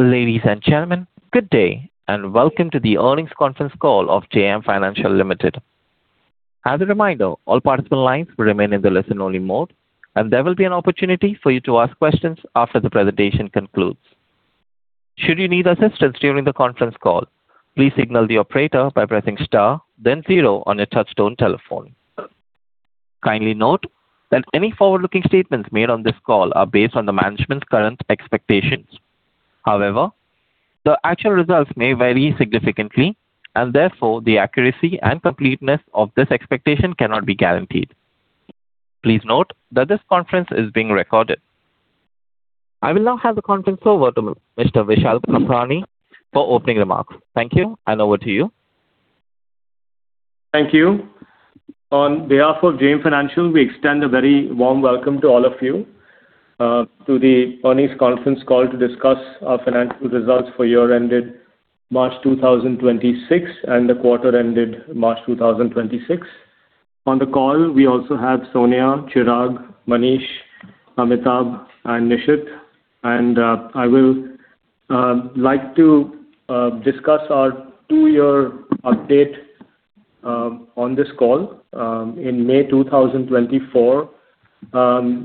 Ladies and gentlemen, good day, welcome to the earnings conference call of JM Financial Limited. As a reminder, all participant lines will remain in the listen-only mode. There will be an opportunity for you to ask questions after the presentation concludes. Should you need assistance during the conference call, please signal the operator by pressing star then zero on your touch-tone telephone. Kindly note that any forward-looking statements made on this call are based on the management's current expectations. However, the actual results may vary significantly. Therefore, the accuracy and completeness of this expectation cannot be guaranteed. Please note that this conference is being recorded. I will now hand the conference over to Mr. Vishal Kampani for opening remarks. Thank you. Over to you. Thank you. On behalf of JM Financial, we extend a very warm welcome to all of you to the earnings conference call to discuss our financial results for year ended March 2026 and the quarter ended March 2026. On the call, we also have Sonia, Chirag, Manish, Amitabh, and Nishit. I will like to discuss our two-year update on this call. In May 2024,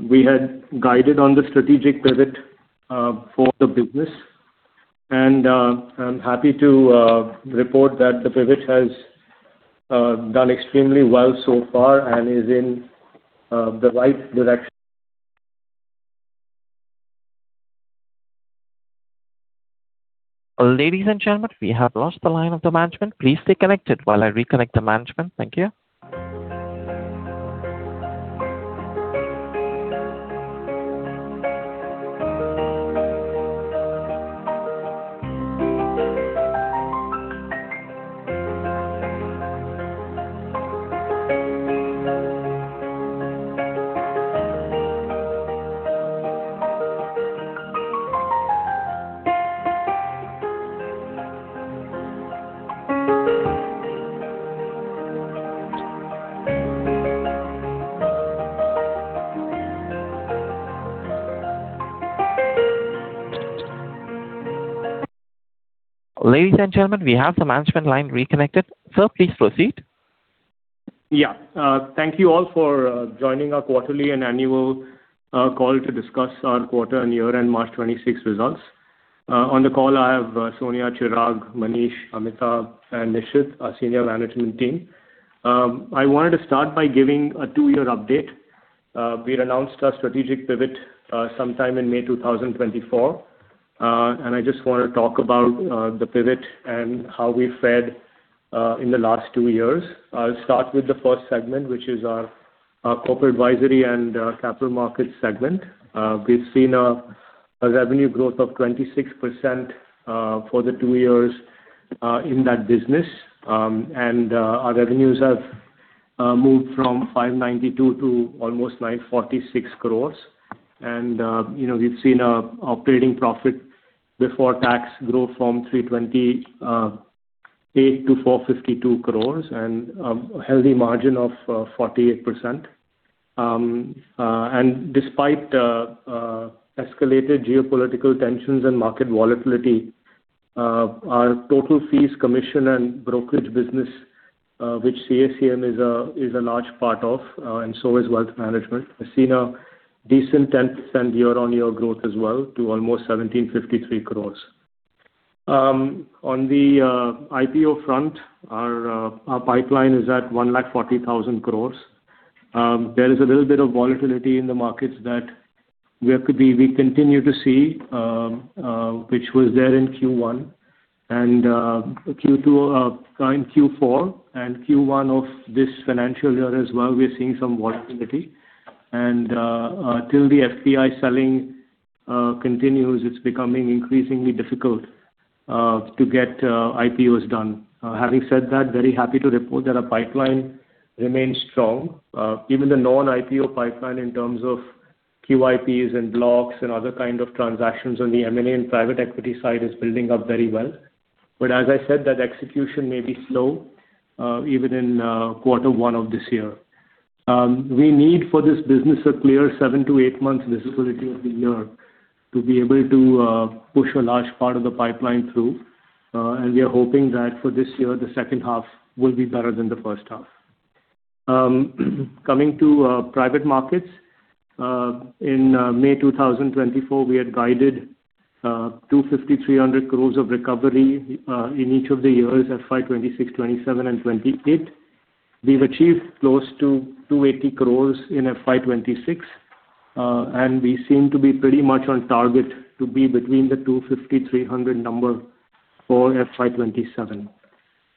we had guided on the strategic pivot for the business, and I'm happy to report that the pivot has done extremely well so far and is in the right direction. Ladies and gentlemen, we have lost the line of the management. Please stay connected while I reconnect the management. Thank you. Ladies and gentlemen, we have the management line reconnected. Sir, please proceed. Thank you all for joining our quarterly and annual call to discuss our quarter- and year-end March 2026 results. On the call, I have Sonia, Chirag, Manish, Amitabh, and Nishit, our senior management team. I wanted to start by giving a two-year update. We had announced our strategic pivot sometime in May 2024. I just want to talk about the pivot and how we fared in the last two years. I'll start with the first segment, which is our Corporate Advisory and Capital Markets segment. We've seen a revenue growth of 26% for the two years in that business. Our revenues have moved from 592 to almost 946 crores. We've seen our operating profit before tax grow from 328 crore-452 crore and a healthy margin of 48%. Despite escalated geopolitical tensions and market volatility, our total fees, commission, and brokerage business, which CACM is a large part of, and so is wealth management, has seen a decent 10% year-on-year growth as well to almost 1,753 crores. On the IPO front, our pipeline is at 140,000 crores. There is a little bit of volatility in the markets that we continue to see, which was there in Q1 and Q2 of current Q4 and Q1 of this financial year as well, we're seeing some volatility. Till the FPI selling continues, it's becoming increasingly difficult to get IPOs done. Having said that, very happy to report that our pipeline remains strong. Even the non-IPO pipeline in terms of QIPs and blocks and other kinds of transactions on the M&A and private equity side is building up very well. As I said, that execution may be slow, even in quarter one of this year. We need for this business a clear seven to eight months visibility of the year to be able to push a large part of the pipeline through. We are hoping that for this year, the second half will be better than the first half. Coming to Private Markets. In May 2024, we had guided 250-300 crore of recovery in each of the years FY 2026, FY 2027, and FY 2028. We've achieved close to 280 crore in FY 2026, and we seem to be pretty much on target to be between the 250-300 number for FY 2027.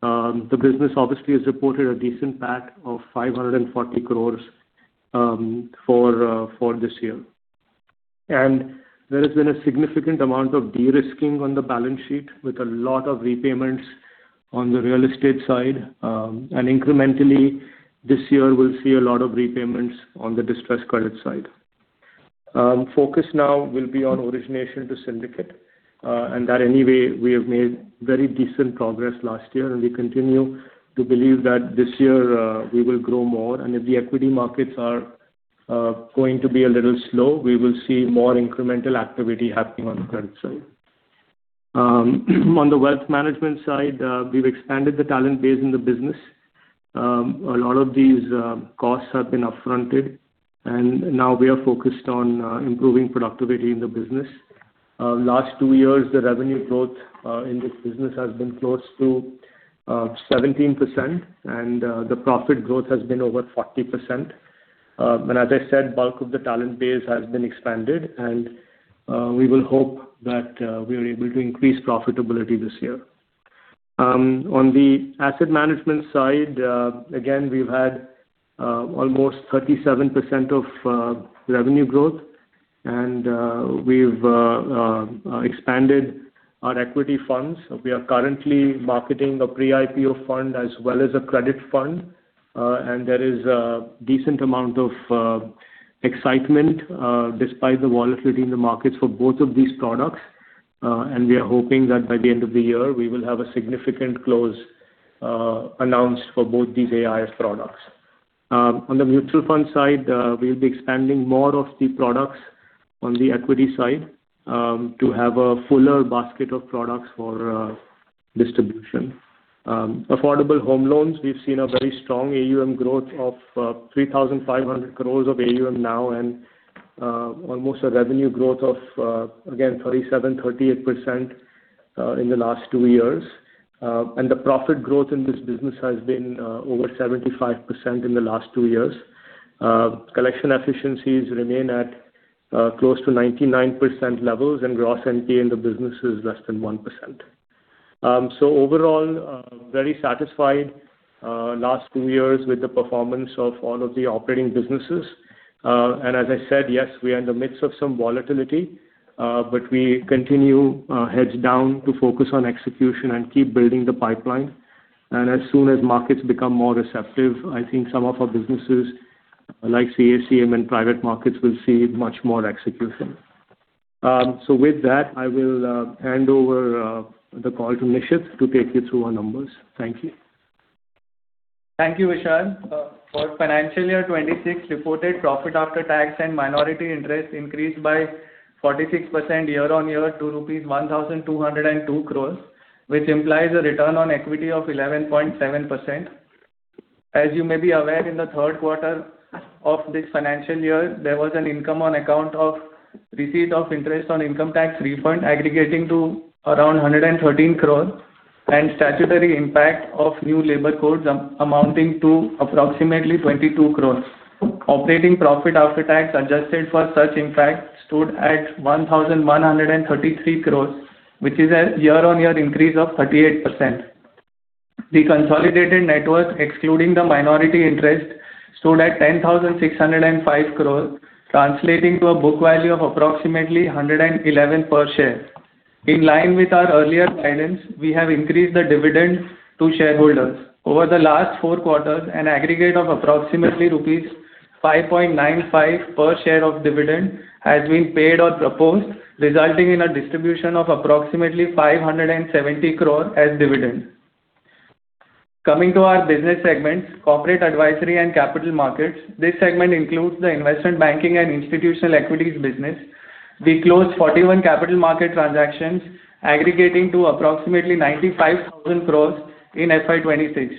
The business obviously has reported a decent PAT of 540 crore for this year. There has been a significant amount of de-risking on the balance sheet with a lot of repayments on the real estate side. Incrementally this year, we'll see a lot of repayments on the distressed credit side. Focus now will be on origination to syndicate, and that anyway, we have made very decent progress last year, and we continue to believe that this year we will grow more. If the equity markets are going to be a little slow. We will see more incremental activity happening on the credit side. On the wealth management side, we've expanded the talent base in the business. A lot of these costs have been up fronted, and now we are focused on improving productivity in the business. Last two years, the revenue growth in this business has been close to 17% and the profit growth has been over 40%. As I said, bulk of the talent base has been expanded, and we will hope that we are able to increase profitability this year. On the asset management side, again, we've had almost 37% of revenue growth and we've expanded our equity funds. We are currently marketing a pre-IPO fund as well as a credit fund. There is a decent amount of excitement despite the volatility in the markets for both of these products. We are hoping that by the end of the year, we will have a significant close announced for both these AIF products. On the mutual fund side, we'll be expanding more of the products on the equity side to have a fuller basket of products for distribution. Affordable home loans, we've seen a very strong AUM growth of 3,500 crores of AUM now and almost a revenue growth of, again, 37%-38% in the last two years. The profit growth in this business has been over 75% in the last two years. Collection efficiencies remain at close to 99% levels and gross NPA in the business is less than 1%. Overall, very satisfied last two years with the performance of all of the operating businesses. As I said, yes, we are in the midst of some volatility, but we continue heads down to focus on execution and keep building the pipeline. As soon as markets become more receptive, I think some of our businesses like CACM and private markets will see much more execution. With that, I will hand over the call to Nishit to take you through our numbers. Thank you. Thank you, Vishal. For FY 2026, reported PAT and minority interest increased by 46% year-on-year to rupees 1,202 crores, which implies a ROE of 11.7%. As you may be aware, in the third quarter of this financial year, there was an income on account of receipt of interest on income tax refund aggregating to around 113 crores and statutory impact of new labor codes amounting to approximately 22 crores. Operating PAT adjusted for such impact stood at 1,133 crores, which is a year-on-year increase of 38%. The consolidated net worth, excluding the minority interest, stood at 10,605 crores, translating to a book value of approximately 111 per share. In line with our earlier guidance, we have increased the dividend to shareholders. Over the last four quarters, an aggregate of approximately rupees 5.95 per share of dividend has been paid or proposed, resulting in a distribution of approximately 570 crore as dividend. Coming to our business segments, Corporate Advisory and Capital Markets. This segment includes the investment banking and institutional equities business. We closed 41 capital market transactions aggregating to approximately 95,000 crore in FY 2026.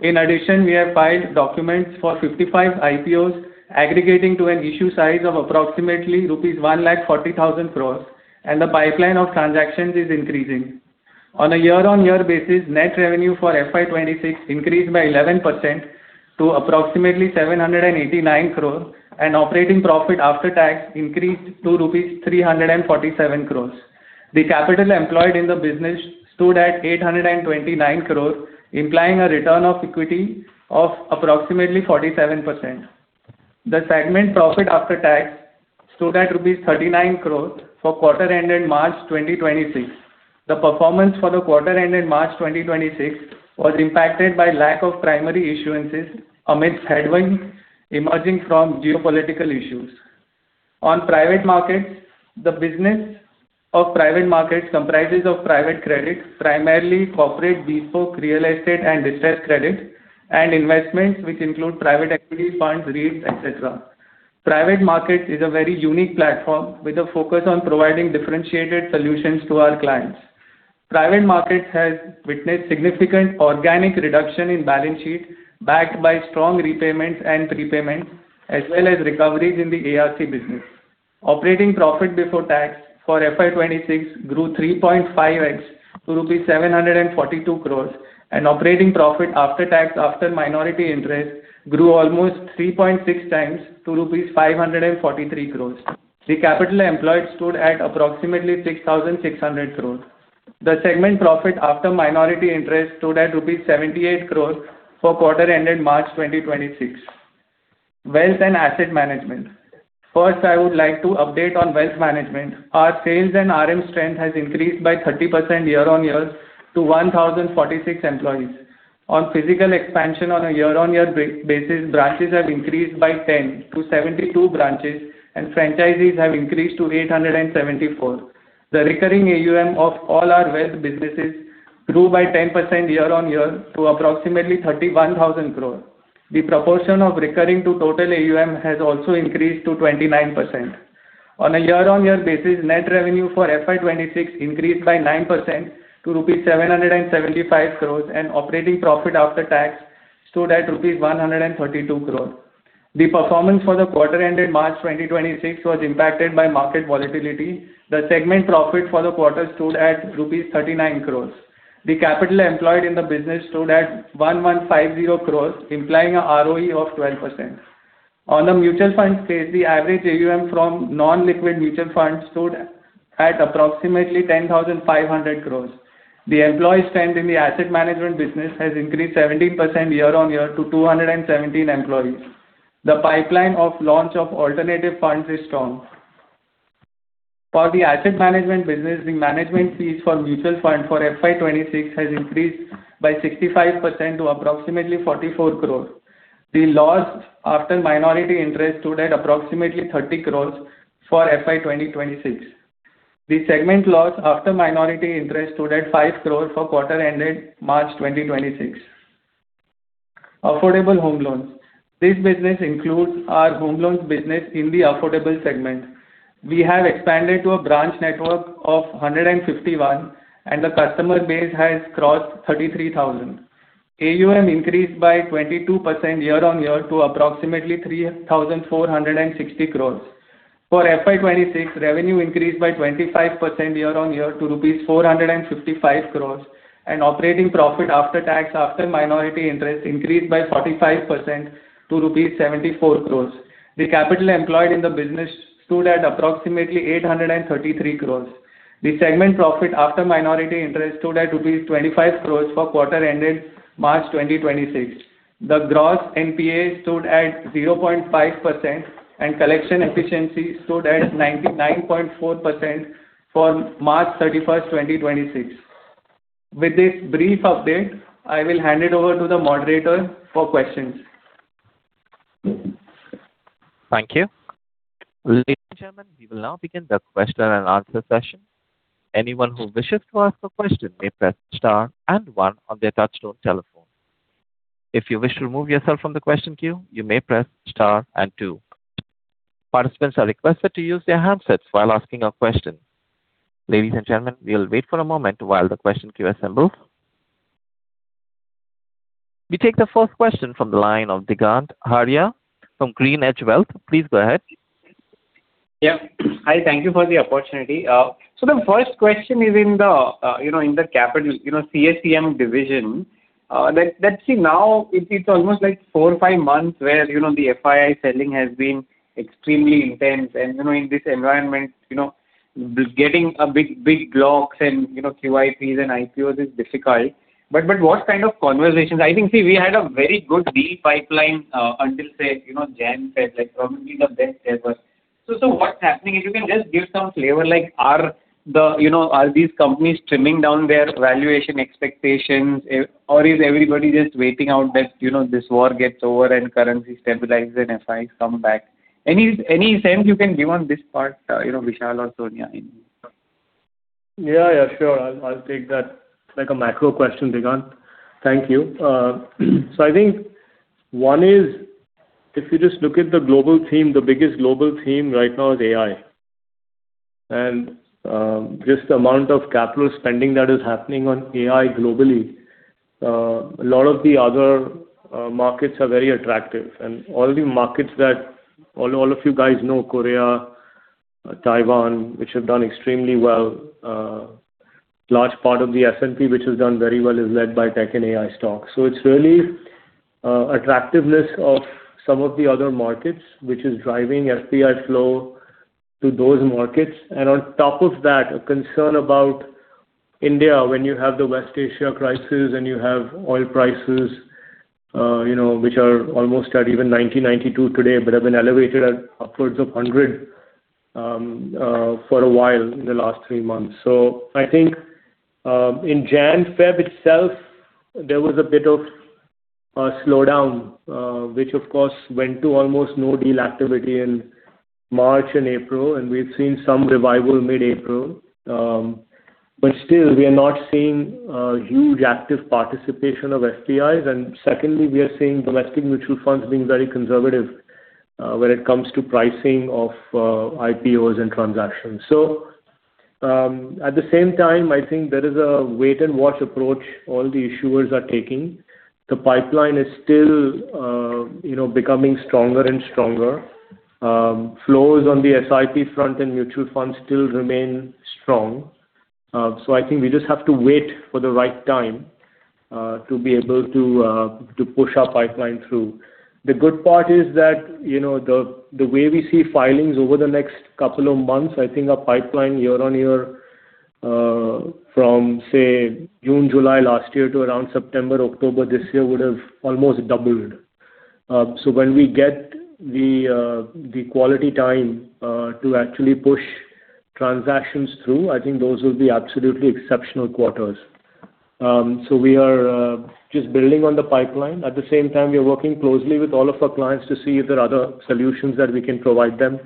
In addition, we have filed documents for 55 IPOs aggregating to an issue size of approximately rupees 140,000 crore, and the pipeline of transactions is increasing. On a year-on-year basis, net revenue for FY 2026 increased by 11% to approximately 789 crore, and operating profit after tax increased to rupees 347 crore. The capital employed in the business stood at 829 crore, implying a return of equity of approximately 47%. The segment profit after tax stood at rupees 39 crore for quarter ending March 2026. The performance for the quarter ending March 2026 was impacted by lack of primary issuances amidst headwinds emerging from geopolitical issues. On Private Markets, the business of Private Markets comprises of Private Credit, primarily corporate bespoke real estate and distressed credit and investments which include private equity funds, REITs, et cetera. Private Markets is a very unique platform with a focus on providing differentiated solutions to our clients. Private Markets has witnessed significant organic reduction in balance sheet backed by strong repayments and prepayments as well as recoveries in the ARC business. Operating profit before tax for FY 2026 grew 3.5x to rupees 742 crores, and operating profit after tax after minority interest grew almost 3.6x to rupees 543 crores. The capital employed stood at approximately 6,600 crore. The segment profit after minority interest stood at rupees 78 crores for quarter ending March 2026. Wealth and Asset Management. First, I would like to update on wealth management. Our sales and RM strength has increased by 30% year-on-year to 1,046 employees. On physical expansion on a year-on-year basis, branches have increased by 10 branches-72 branches and franchisees have increased to 874. The recurring AUM of all our wealth businesses grew by 10% year-on-year to approximately 31,000 crore. The proportion of recurring to total AUM has also increased to 29%. On a year-on-year basis, net revenue for FY 2026 increased by 9% to rupees 775 crore and operating profit after tax stood at rupees 132 crore. The performance for the quarter ended March 2026 was impacted by market volatility. The segment profit for the quarter stood at rupees 39 crore. The capital employed in the business stood at 1,150 crore, implying a ROE of 12%. On the mutual fund side, the average AUM from non-liquid mutual funds stood at approximately 10,500 crores. The employee strength in the asset management business has increased 17% year-on-year to 217 employees. The pipeline of launch of alternative funds is strong. For the asset management business, the management fees for mutual fund for FY 2026 has increased by 65% to approximately 44 crore. The loss after minority interest stood at approximately 30 crores for FY 2026. The segment loss after minority interest stood at 5 crores for quarter ended March 2026. Affordable home loans. This business includes our home loans business in the affordable segment. We have expanded to a branch network of 151, and the customer base has crossed 33,000. AUM increased by 22% year-on-year to approximately 3,460 crores. For FY 2026, revenue increased by 25% year-on-year to rupees 455 crores, and operating profit after tax after minority interest increased by 45% to rupees 74 crores. The capital employed in the business stood at approximately 833 crores. The segment profit after minority interest stood at rupees 25 crores for quarter ended March 2026. The gross NPA stood at 0.5%, and collection efficiency stood at 99.4% for March 31st, 2026. With this brief update, I will hand it over to the moderator for questions. Thank you. Ladies and gentlemen, we will now begin the question and answer session. Anyone who wishes to ask a question may press star and one on their touchtone telephone. If you wish to remove yourself from the question queue, you may press star and two. Participants are requested to use their handsets while asking a question. Ladies and gentlemen, we will wait for a moment while the question queue assembles. We take the first question from the line of Digant Haria from GreenEdge Wealth. Please go ahead. Yeah. Hi, thank you for the opportunity. The first question is in the CACM division. That, see, now it's almost four or five months where the FII selling has been extremely intense and, in this environment, getting big blocks and QIPs and IPOs is difficult. What kind of conversations? I think, see, we had a very good deal pipeline until, say, January, probably the best ever. What's happening? If you can just give some flavor, are these companies trimming down their valuation expectations, or is everybody just waiting out that this war gets over and currency stabilizes and FIIs come back? Any sense you can give on this part, Vishal or Sonia? Yeah, sure. I'll take that. Like a macro question, Digant. Thank you. I think one is, if you just look at the global theme, the biggest global theme right now is AI, and just the amount of capital spending that is happening on AI globally. A lot of the other markets are very attractive and all the markets that all of you guys know, Korea, Taiwan, which have done extremely well. A large part of the S&P, which has done very well is led by tech and AI stocks. It's really attractiveness of some of the other markets, which is driving FPI flow to those markets. On top of that, a concern about India when you have the West Asia crisis and you have oil prices which are almost at even 90-92 today, but have been elevated at upwards of 100 for a while in the last three months. I think in January, February itself, there was a bit of a slowdown, which of course, went to almost no deal activity in March and April, and we've seen some revival mid-April. Still, we are not seeing a huge active participation of FIIs. Secondly, we are seeing domestic mutual funds being very conservative when it comes to pricing of IPOs and transactions. At the same time, I think there is a wait and watch approach all the issuers are taking. The pipeline is still becoming stronger and stronger. Flows on the SIP front and mutual funds still remain strong. I think we just have to wait for the right time to be able to push our pipeline through. The good part is that the way we see filings over the next couple of months, I think our pipeline year-on-year, from say June, July last year to around September, October this year, would have almost doubled. When we get the quality time to actually push transactions through, I think those will be absolutely exceptional quarters. We are just building on the pipeline. At the same time, we are working closely with all of our clients to see if there are other solutions that we can provide them.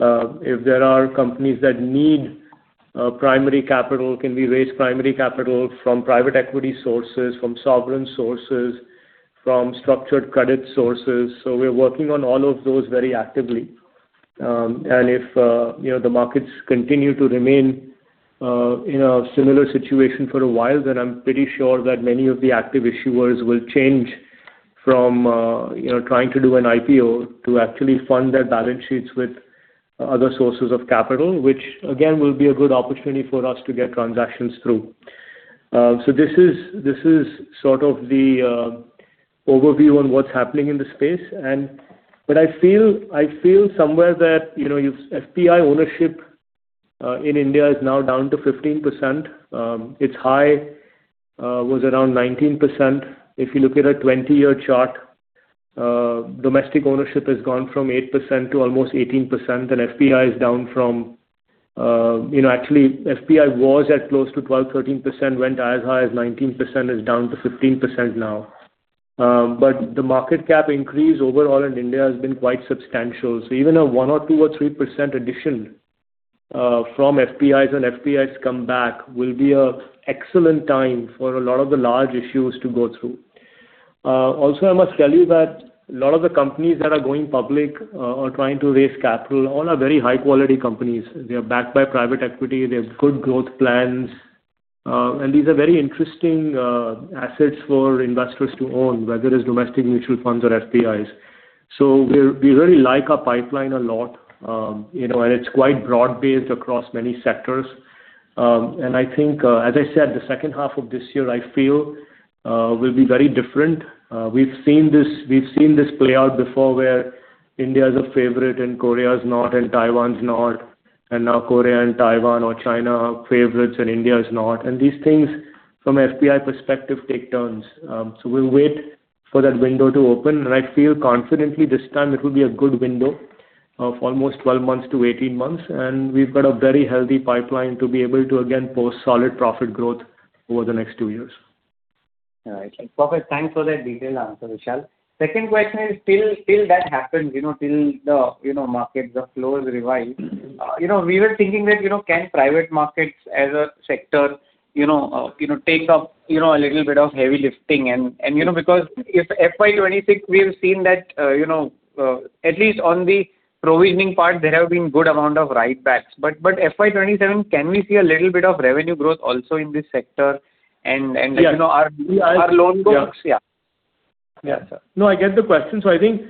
If there are companies that need primary capital, can we raise primary capital from private equity sources, from sovereign sources, from structured credit sources? We're working on all of those very actively. If the markets continue to remain in a similar situation for a while, then I am pretty sure that many of the active issuers will change from trying to do an IPO to actually fund their balance sheets with other sources of capital, which again, will be a good opportunity for us to get transactions through. This is sort of the overview on what's happening in the space. What I feel, somewhere that, FPI ownership in India is now down to 15%. Its high was around 19%. If you look at a 20-year chart, domestic ownership has gone from 8% to almost 18%, and FPI is down from Actually, FPI was at close to 12, 13%, went as high as 19%, is down to 15% now. The market cap increase overall in India has been quite substantial. Even a 1% or 2% or 3% addition from FPIs and FPIs come back will be a excellent time for a lot of the large issues to go through. I must tell you that a lot of the companies that are going public or trying to raise capital, all are very high-quality companies. They are backed by private equity. They have good growth plans. These are very interesting assets for investors to own, whether it's domestic mutual funds or FPIs. We really like our pipeline a lot. It's quite broad-based across many sectors. I think, as I said, the second half of this year, I feel, will be very different. We've seen this play out before where India is a favorite and Korea is not, and Taiwan's not, and now Korea and Taiwan or China are favorites and India is not. These things from an FPI perspective take turns. We'll wait for that window to open. I feel confidently this time it will be a good window of almost 12 months-18 months, and we've got a very healthy pipeline to be able to again post solid profit growth over the next two years. All right. Perfect. Thanks for that detailed answer, Vishal. Second question is, till that happens, till the markets, the flow is revised. We were thinking that can private markets as a sector take up a little bit of heavy lifting and because if FY 2026, we have seen that at least on the provisioning part, there have been good amount of write-backs. FY 2027, can we see a little bit of revenue growth also in this sector? Yeah our loan books? Yeah. Yeah. Yeah. No, I get the question. I think,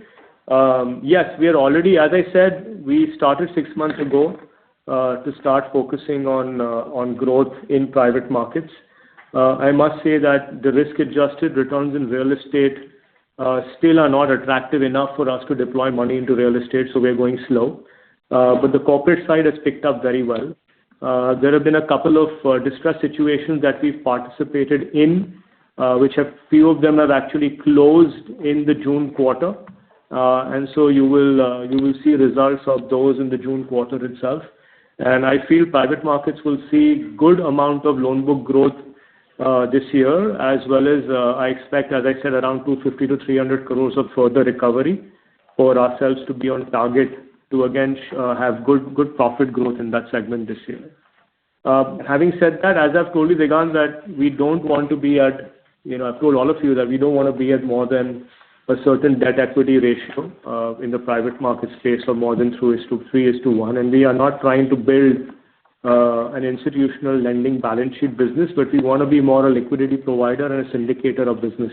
yes, we are already, as I said, we started six months ago to start focusing on growth in private markets. I must say that the risk-adjusted returns in real estate still are not attractive enough for us to deploy money into real estate, so we're going slow. The corporate side has picked up very well. There have been a couple of distressed situations that we've participated in, which a few of them have actually closed in the June quarter. You will see results of those in the June quarter itself. I feel private markets will see good amount of loan book growth this year, as well as I expect, as I said, around 250- 300 crores of further recovery for ourselves to be on target to again have good profit growth in that segment this year. Having said that, as I've told you, Digant, that we don't want to be I've told all of you that we don't want to be at more than a certain debt equity ratio in the private market space of more than 2:3:1. We are not trying to build an institutional lending balance sheet business, but we want to be more a liquidity provider and a syndicator of business.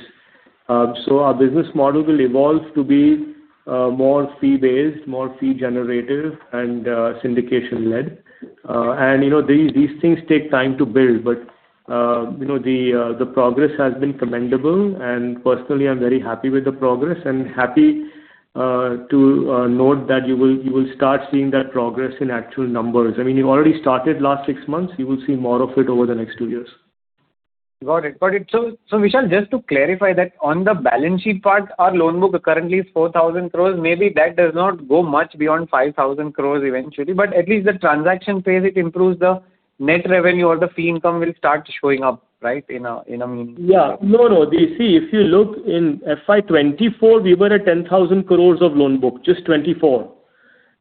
Our business model will evolve to be more fee-based, more fee-generative and syndication-led. These things take time to build, but the progress has been commendable and personally, I'm very happy with the progress and happy to note that you will start seeing that progress in actual numbers. I mean, you've already started last six months. You will see more of it over the next two years. Got it. Vishal, just to clarify that on the balance sheet part, our loan book currently is 4,000 crore. Maybe that does not go much beyond 5,000 crore eventually, but at least the transaction phase, it improves the net revenue or the fee income will start showing up, right? Yeah. No, no. See, if you look in FY 2024, we were at 10,000 crore of loan book, just 2024.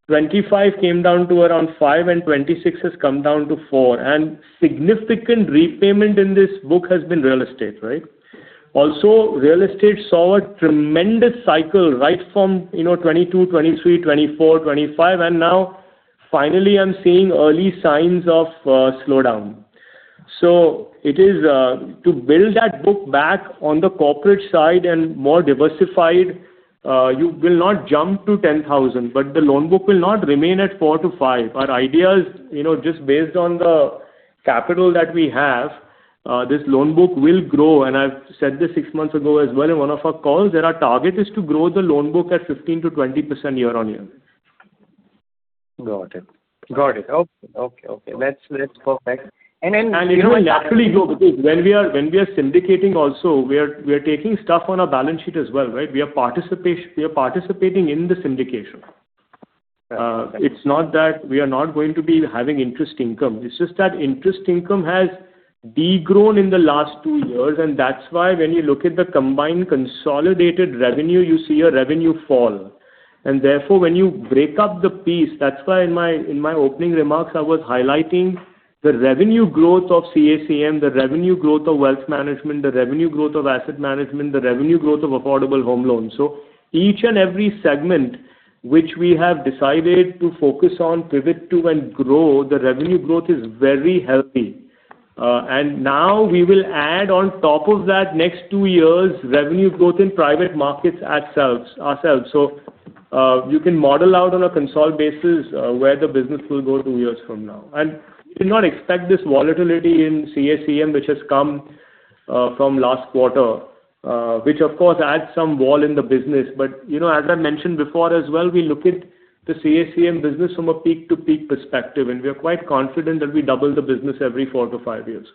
2025 came down to around 5, and 2026 has come down to 4. Significant repayment in this book has been real estate, right? Real estate saw a tremendous cycle right from 2022, 2023, 2024, 2025, and now finally I'm seeing early signs of slowdown. To build that book back on the corporate side and more diversified, you will not jump to 10,000, but the loan book will not remain at 4- 5. Our idea is just based on the capital that we have, this loan book will grow, and I've said this six months ago as well in one of our calls, that our target is to grow the loan book at 15%-20% year on year. Got it. Okay. That's perfect. It will naturally grow because when we are syndicating also, we are taking stuff on our balance sheet as well, right? We are participating in the syndication. Right. It's not that we are not going to be having interest income. It's just that interest income has degrown in the last two years. That's why when you look at the combined consolidated revenue, you see a revenue fall. Therefore, when you break up the piece, that's why in my opening remarks, I was highlighting the revenue growth of CACM, the revenue growth of wealth management, the revenue growth of asset management, the revenue growth of affordable home loans. Each and every segment which we have decided to focus on, pivot to and grow, the revenue growth is very healthy. Now we will add on top of that next two years' revenue growth in Private Markets ourselves. You can model out on a consult basis where the business will go two years from now. We did not expect this volatility in CACM, which has come from last quarter, which of course adds some vol in the business. As I mentioned before as well, we look at the CACM business from a peak-to-peak perspective, and we are quite confident that we double the business every four to five years.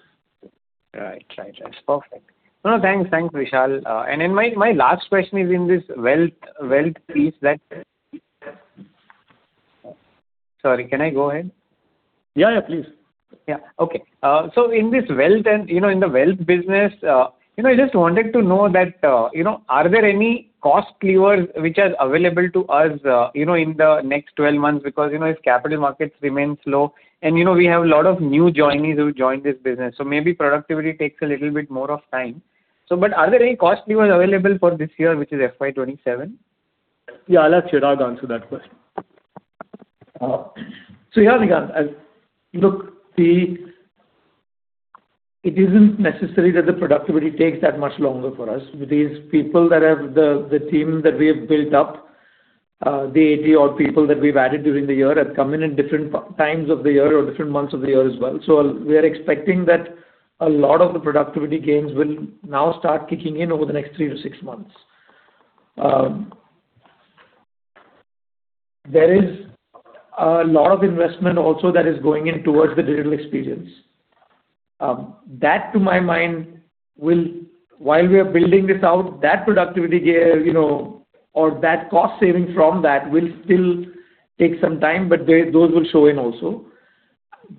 Right. That's perfect. No, thanks, Vishal. My last question is in this wealth piece that. Sorry, can I go ahead? Yeah, please. In this wealth business, I just wanted to know that, are there any cost levers which are available to us in the next 12 months? If capital markets remain slow and we have a lot of new joinees who joined this business, so maybe productivity takes a little bit more of time. Are there any cost levers available for this year, which is FY 2027? Yeah, I'll let Chirag answer that question. Yeah, Digant. Look, it isn't necessary that the productivity takes that much longer for us. With these people that have the team that we have built up, the 80-odd people that we've added during the year have come in at different times of the year or different months of the year as well. We are expecting that a lot of the productivity gains will now start kicking in over the next three to six months. There is a lot of investment also that is going in towards the digital experience. That, to my mind, while we are building this out, that productivity gain or that cost saving from that will still take some time, but those will show in also.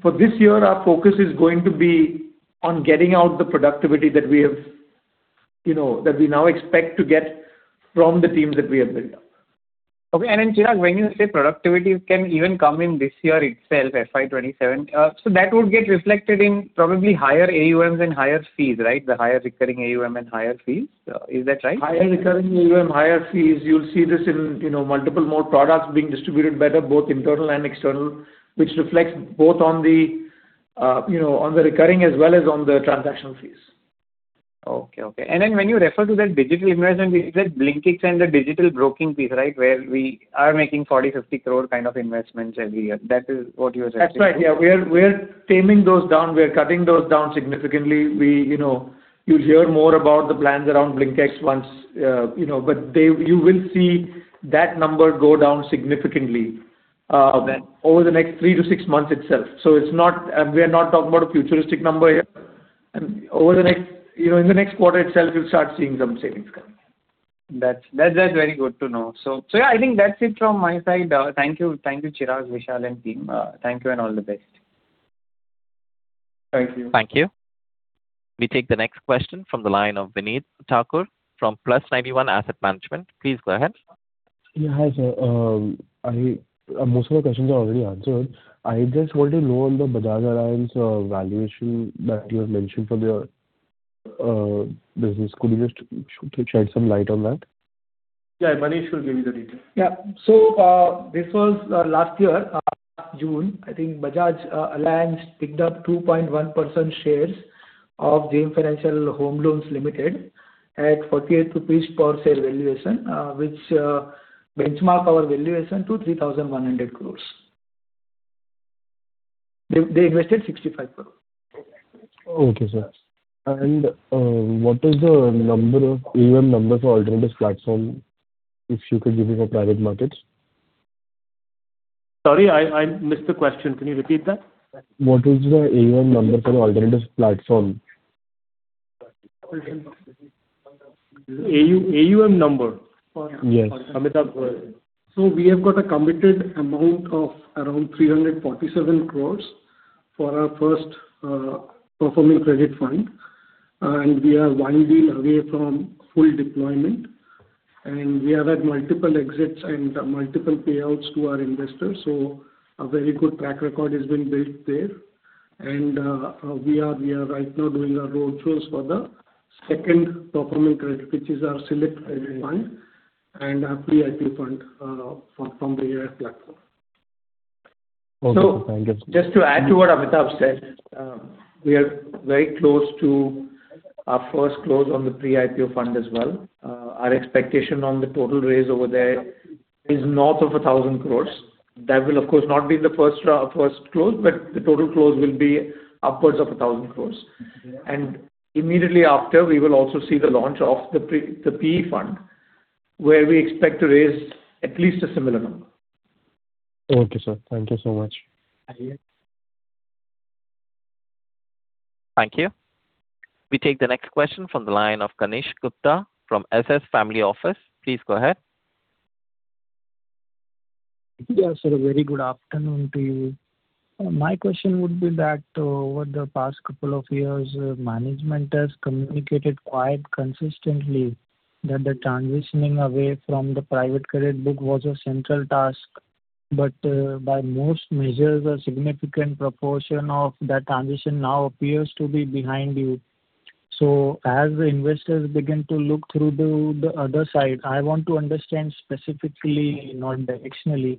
For this year, our focus is going to be on getting out the productivity that we now expect to get from the teams that we have built up. Okay. Chirag, when you say productivity can even come in this year itself, FY 2027, that would get reflected in probably higher AUMs and higher fees, right? The higher recurring AUM and higher fees. Is that right? Higher recurring AUM, higher fees. You'll see this in multiple more products being distributed better, both internal and external, which reflects both on the recurring as well as on the transactional fees. Okay. When you refer to that digital investment, you said BlinkX and the digital broking piece, right? Where we are making 40 crore-50 crore kind of investments every year. That is what you were saying? That's right, yeah. We're taming those down. We're cutting those down significantly. You'll hear more about the plans around BlinkX once But you will see that number go down significantly. Okay over the next three to six months itself. We are not talking about a futuristic number here. In the next quarter itself, you'll start seeing some savings coming. That is very good to know. Yeah, I think that is it from my side. Thank you, Chirag, Vishal, and team. Thank you, and all the best. Thank you. Thank you. We take the next question from the line of Vinit Thakur from Plus91 Asset Management. Please go ahead. Yeah. Hi, sir. Most of the questions are already answered. I just want to know on the Bajaj Allianz valuation that you have mentioned for your business. Could you just shed some light on that? Yeah. Manish will give you the detail. This was last year, June, I think Bajaj Allianz picked up 2.1% shares of JM Financial Home Loans Limited at 48 rupees per share valuation, which benchmark our valuation to 3,100 crores. They invested 65 crore. Okay, sir. What is the AUM number for alternatives platform, if you could give it for private markets? Sorry, I missed the question. Can you repeat that? What is the AUM number for the alternatives platform? AUM number? Yes. Amitabh? We have got a committed amount of around 347 crores for our first performing credit fund, and we are one deal away from full deployment. We have had multiple exits and multiple payouts to our investors, so a very good track record has been built there. We are right now doing our road shows for the second performing credit, which is our select credit fund and our pre-IPO fund from the AIF platform. Okay. Thank you. Just to add to what Amitabh said, we are very close to our first close on the pre-IPO fund as well. Our expectation on the total raise over there is north of 1,000 crores. That will, of course, not be the first close, but the total close will be upwards of 1,000 crores. Immediately after, we will also see the launch of the PE fund, where we expect to raise at least INR 1,000 crores. Thank you, sir. Thank you so much. Thank you. Thank you. We take the next question from the line of Kanishk Gupta from SS Family Office. Please go ahead. Yes, sir. Very good afternoon to you. My question would be that over the past couple of years, management has communicated quite consistently that the transitioning away from the Private Credit book was a central task, but by most measures, a significant proportion of that transition now appears to be behind you. As investors begin to look through the other side, I want to understand specifically, not directionally,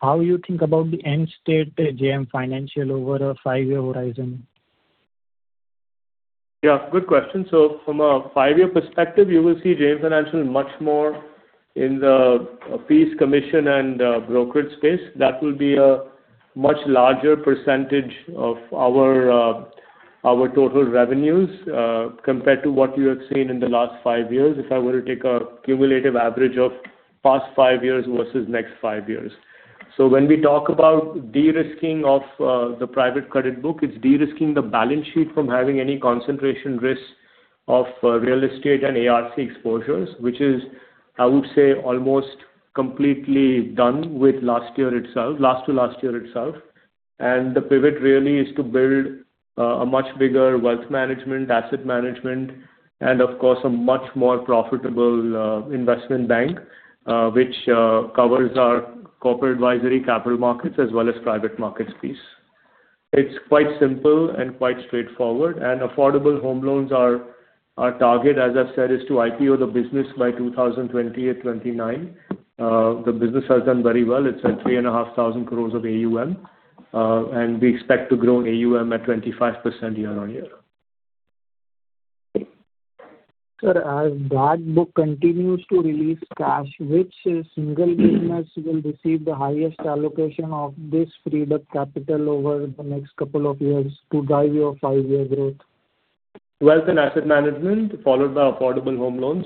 how you think about the end state of JM Financial over a five-year horizon. Yeah, good question. From a five-year perspective, you will see JM Financial much more in the fees commission and brokerage space. That will be a much larger percentage of our total revenues compared to what you have seen in the last five years, if I were to take a cumulative average of past five years versus next five years. When we talk about de-risking of the Private Credit book, it's de-risking the balance sheet from having any concentration risk of real estate and ARC exposures, which is, I would say, almost completely done with last to last year itself. The pivot really is to build a much bigger wealth management, asset management, and of course, a much more profitable investment bank, which covers our Corporate Advisory and Capital Markets as well as Private Markets piece. It's quite simple and quite straightforward. Affordable Home Loans, our target, as I've said, is to IPO the business by 2028-2029. The business has done very well. It's at 3,500 crore of AUM, and we expect to grow AUM at 25% year-on-year. Sir, as that book continues to release cash, which single business will receive the highest allocation of this freed-up capital over the next couple of years to drive your five-year growth? Wealth and asset management, followed by affordable home loans.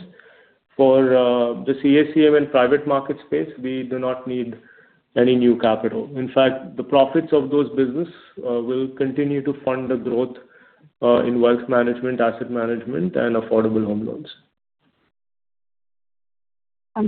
For the CACM and private market space, we do not need any new capital. In fact, the profits of those business will continue to fund the growth in wealth management, asset management, and affordable home loans.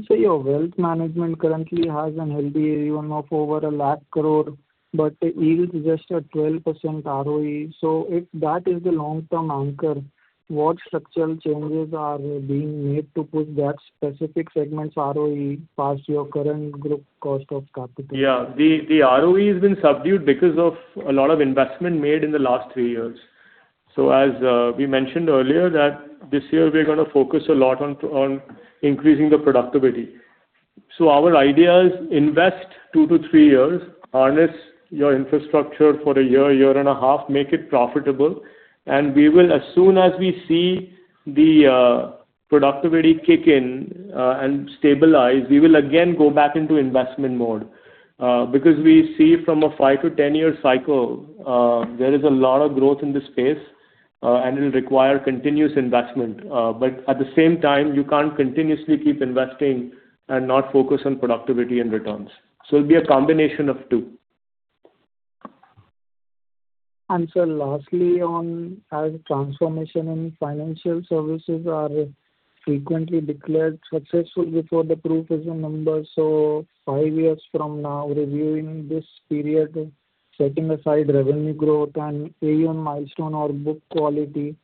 Sir, your wealth management currently has a healthy AUM of over 1 lakh crore, but yields just a 12% ROE. If that is the long-term anchor, what structural changes are being made to push that specific segment's ROE past your current group cost of capital? Yeah. The ROE has been subdued because of a lot of investment made in the last three years. As we mentioned earlier that this year we're going to focus a lot on increasing the productivity. Our idea is invest two to three years, harness your infrastructure for a year and a half, make it profitable, and as soon as we see the productivity kick in and stabilize, we will again go back into investment mode. We see from a five to 10-year cycle, there is a lot of growth in the space, and it'll require continuous investment. At the same time, you can't continuously keep investing and not focus on productivity and returns. It'll be a combination of two. Sir, lastly on, as transformation in financial services are frequently declared successful before the proof is in numbers. Five years from now, reviewing this period, setting aside revenue growth and AUM milestone or book quality,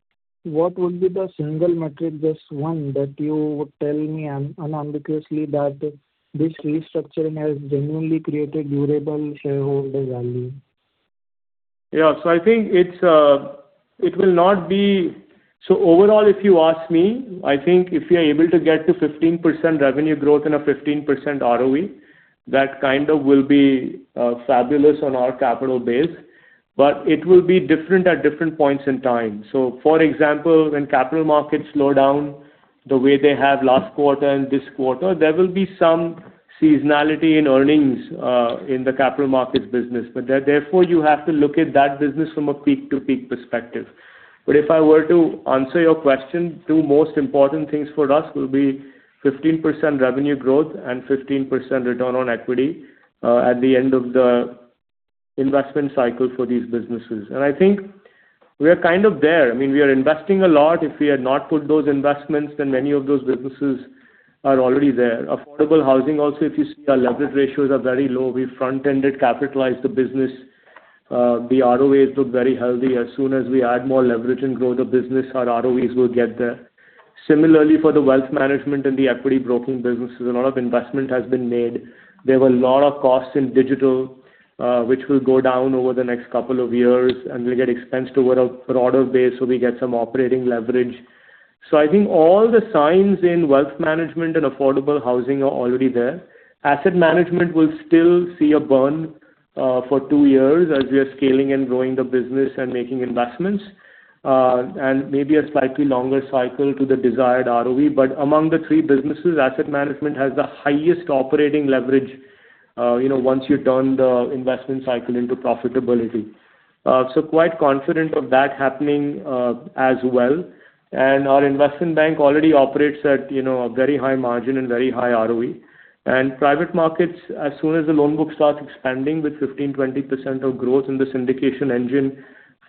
what would be the single metric, just one, that you would tell me unambiguously that this restructuring has genuinely created durable shareholder value? Overall, if you ask me, I think if we are able to get to 15% revenue growth and a 15% ROE, that kind of will be fabulous on our capital base, but it will be different at different points in time. For example, when capital markets slow down the way they have last quarter and this quarter, there will be some seasonality in earnings in the capital markets business. Therefore, you have to look at that business from a peak-to-peak perspective. If I were to answer your question, two most important things for us will be 15% revenue growth and 15% return on equity, at the end of the investment cycle for these businesses. I think we're kind of there. I mean, we are investing a lot. If we had not put those investments, then many of those businesses are already there. Affordable Housing, also, if you see our leverage ratios are very low. We front-ended capitalize the business. The ROEs look very healthy. As soon as we add more leverage and grow the business, our ROEs will get there. Similarly, for the wealth management and the equity broking businesses, a lot of investment has been made. There were a lot of costs in digital, which will go down over the next couple of years and will get expensed over a broader base, so we get some operating leverage. I think all the signs in wealth management and Affordable Housing are already there. Asset management will still see a burn for two years as we are scaling and growing the business and making investments. Maybe a slightly longer cycle to the desired ROE. Among the three businesses, Asset Management has the highest operating leverage once you turn the investment cycle into profitability. Our Investment Bank already operates at a very high margin and very high ROE. Private Markets, as soon as the loan book starts expanding with 15%-20% of growth and the syndication engine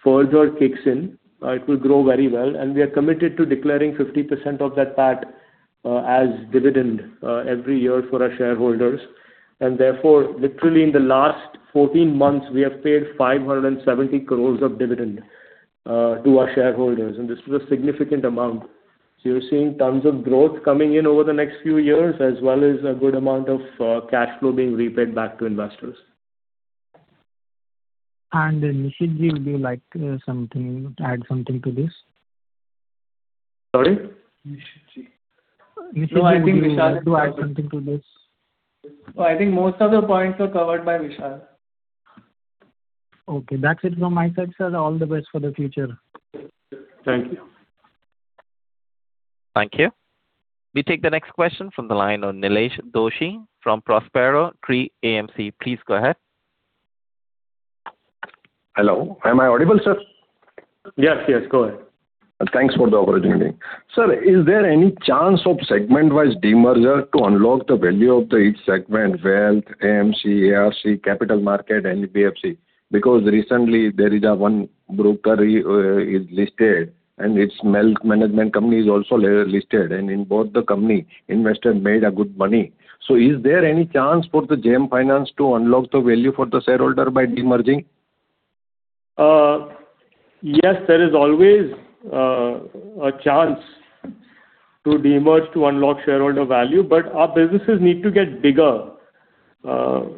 further kicks in, it will grow very well. We are committed to declaring 50% of that PAT as dividend every year for our shareholders. Therefore, literally in the last 14 months, we have paid 570 crore of dividend to our shareholders, and this was a significant amount. You're seeing tons of growth coming in over the next few years, as well as a good amount of cash flow being repaid back to investors. Nishit Ji, would you like to add something to this? Sorry? Nishit Ji. No, I think Vishal. Nishit, would you like to add something to this? I think most of the points were covered by Vishal. Okay. That's it from my side, sir. All the best for the future. Thank you. Thank you. We take the next question from the line on Nilesh Doshi from Prospero Tree AMC. Please go ahead. Hello, am I audible, sir? Yes. Go ahead. Thanks for the opportunity. Sir, is there any chance of segment-wise demerger to unlock the value of the each segment: wealth, AMC, AHF, capital market and PFC? Recently there is one broker is listed and its management company is also listed, and in both the company, investor made a good money. Is there any chance for the JM Financial to unlock the value for the shareholder by demerging? There is always a chance to demerge to unlock shareholder value. Our businesses need to get bigger.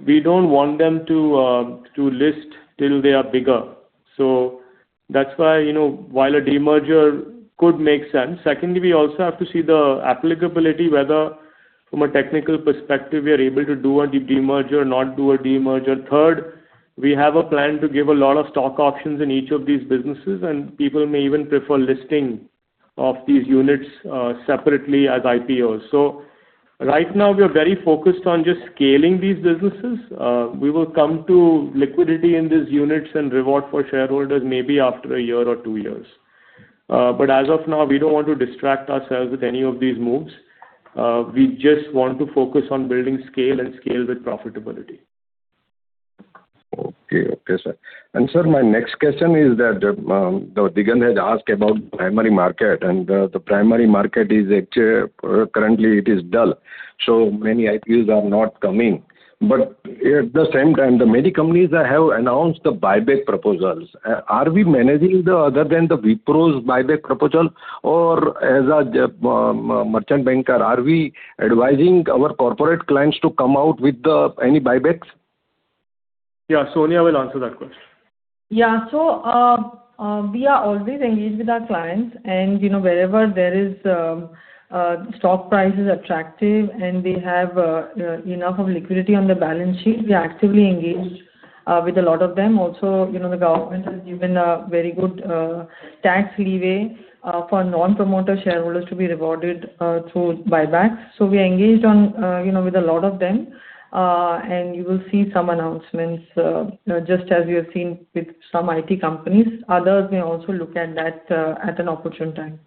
We don't want them to list till they are bigger. That's why, while a demerger could make sense. Secondly, we also have to see the applicability, whether from a technical perspective, we are able to do a demerger or not do a demerger. Third, we have a plan to give a lot of stock options in each of these businesses, and people may even prefer listing of these units separately as IPOs. Right now we are very focused on just scaling these businesses. We will come to liquidity in these units and reward for shareholders maybe after a year or two years. As of now, we don't want to distract ourselves with any of these moves. We just want to focus on building scale and scale with profitability. Okay, sir. Sir, my next question is that Digant had asked about primary market, and the primary market, currently it is dull. Many IPOs are not coming. At the same time, the many companies that have announced the buyback proposals. Are we managing the other than the Wipro's buyback proposal? As a merchant banker, are we advising our corporate clients to come out with any buybacks? Yeah, Sonia will answer that question. Yeah. We are always engaged with our clients and wherever there is stock prices attractive and we have enough of liquidity on the balance sheet, we actively engaged with a lot of them. Also, the government has given a very good tax leeway for non-promoter shareholders to be rewarded through buyback. We are engaged on with a lot of them, and you will see some announcements, just as you have seen with some IT companies. Others may also look at that at an opportune time.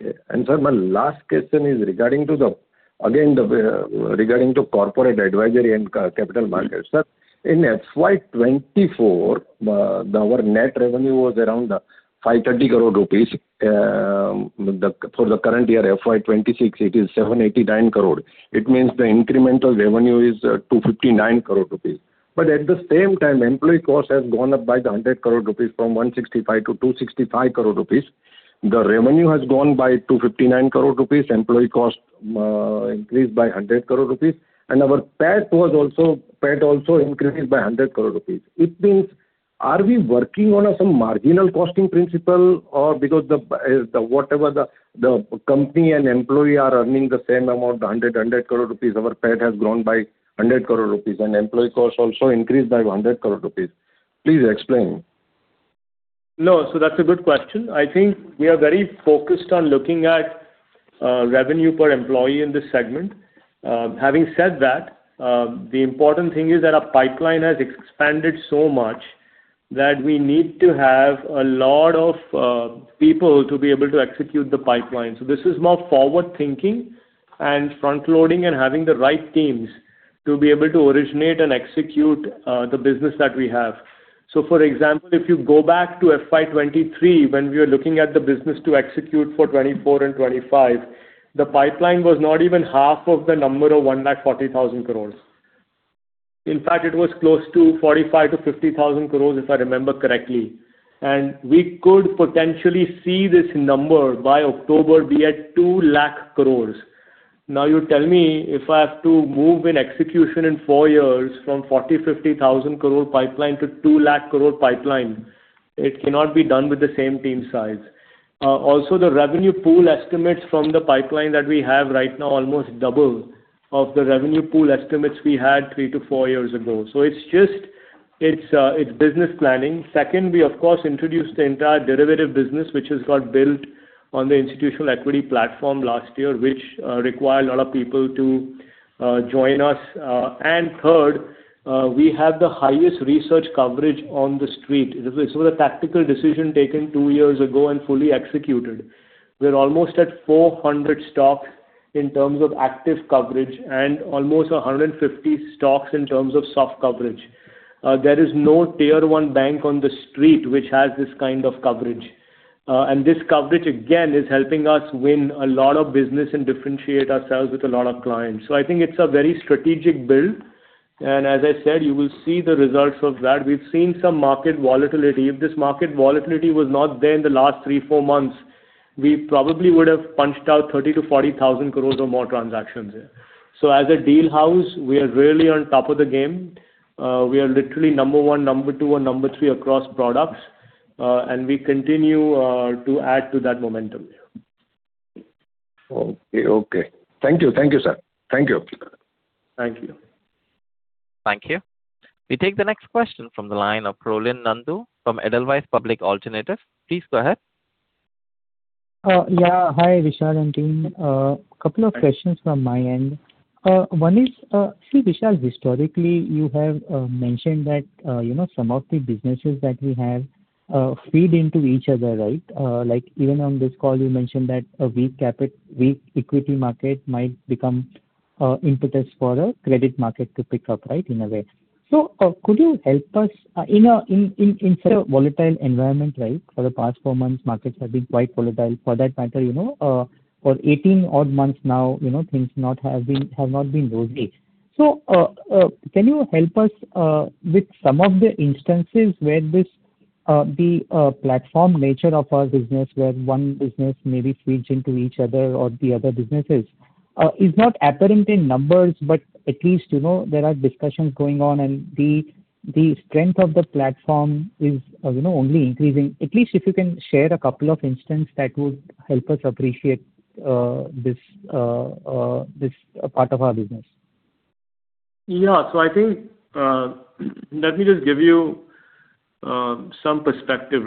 Okay. Sir, my last question is regarding to Corporate Advisory and Capital Markets. Sir, in FY 2024, our net revenue was around 530 crore rupees. For the current year, FY 2026, it is 789 crore. The incremental revenue is 259 crore rupees. At the same time, employee cost has gone up by the 100 crore rupees from 165 crore to 265 crore rupees. The revenue has gone by 259 crore rupees. Employee cost increased by 100 crore rupees, and our PAT also increased by 100 crore rupees. Are we working on some marginal costing principle or because whatever the company and employee are earning the same amount, the 100 crore rupees, our PAT has grown by 100 crore rupees and employee cost also increased by 100 crore rupees. Please explain. No, that's a good question. I think we are very focused on looking at revenue per employee in this segment. Having said that, the important thing is that our pipeline has expanded so much that we need to have a lot of people to be able to execute the pipeline. This is more forward-thinking and front-loading and having the right teams to be able to originate and execute the business that we have. For example, if you go back to FY 2023, when we were looking at the business to execute for FY 2024 and FY 2025, the pipeline was not even half of the number of 140,000 crore. In fact, it was close to 45,000 crore-50,000 crore, if I remember correctly. We could potentially see this number by October be at 2 lakh crore. Now you tell me if I have to move in execution in four years from 40,000-50,000 crore pipeline to 2 lakh crore pipeline, it cannot be done with the same team size. The revenue pool estimates from the pipeline that we have right now, almost double of the revenue pool estimates we had three to four years ago. It's business planning. Second, we of course introduced the entire derivative business, which has got built on the institutional equity platform last year, which required a lot of people to join us. Third, we have the highest research coverage on The Street. This was a tactical decision taken two years ago and fully executed. We're almost at 400 stocks in terms of active coverage and almost 150 stocks in terms of soft coverage. There is no Tier 1 bank on The Street which has this kind of coverage. This coverage, again, is helping us win a lot of business and differentiate ourselves with a lot of clients. I think it's a very strategic build. As I said, you will see the results of that. We've seen some market volatility. If this market volatility was not there in the last three, four months, we probably would have punched out 30,000-40,000 crores or more transactions here. As a deal house, we are really on top of the game. We are literally number 1, number 2, or number 3 across products, and we continue to add to that momentum here. Okay. Thank you, sir. Thank you. Thank you. Thank you. We take the next question from the line of Prolin Nandu from Edelweiss Public Alternatives. Please go ahead. Yeah. Hi, Vishal and team. A couple of questions from my end. One is, Vishal, historically, you have mentioned that some of the businesses that we have feed into each other. Like even on this call, you mentioned that a weak equity market might become impetus for a credit market to pick up, in a way. Could you help us in such a volatile environment. For the past four months, markets have been quite volatile. For that matter, for 18 odd months now, things have not been rosy. Can you help us with some of the instances where the platform nature of our business where one business maybe feeds into each other or the other businesses? It's not apparent in numbers, but at least there are discussions going on and the strength of the platform is only increasing. At least if you can share a couple of instances that would help us appreciate this part of our business. Yeah. I think, let me just give you some perspective.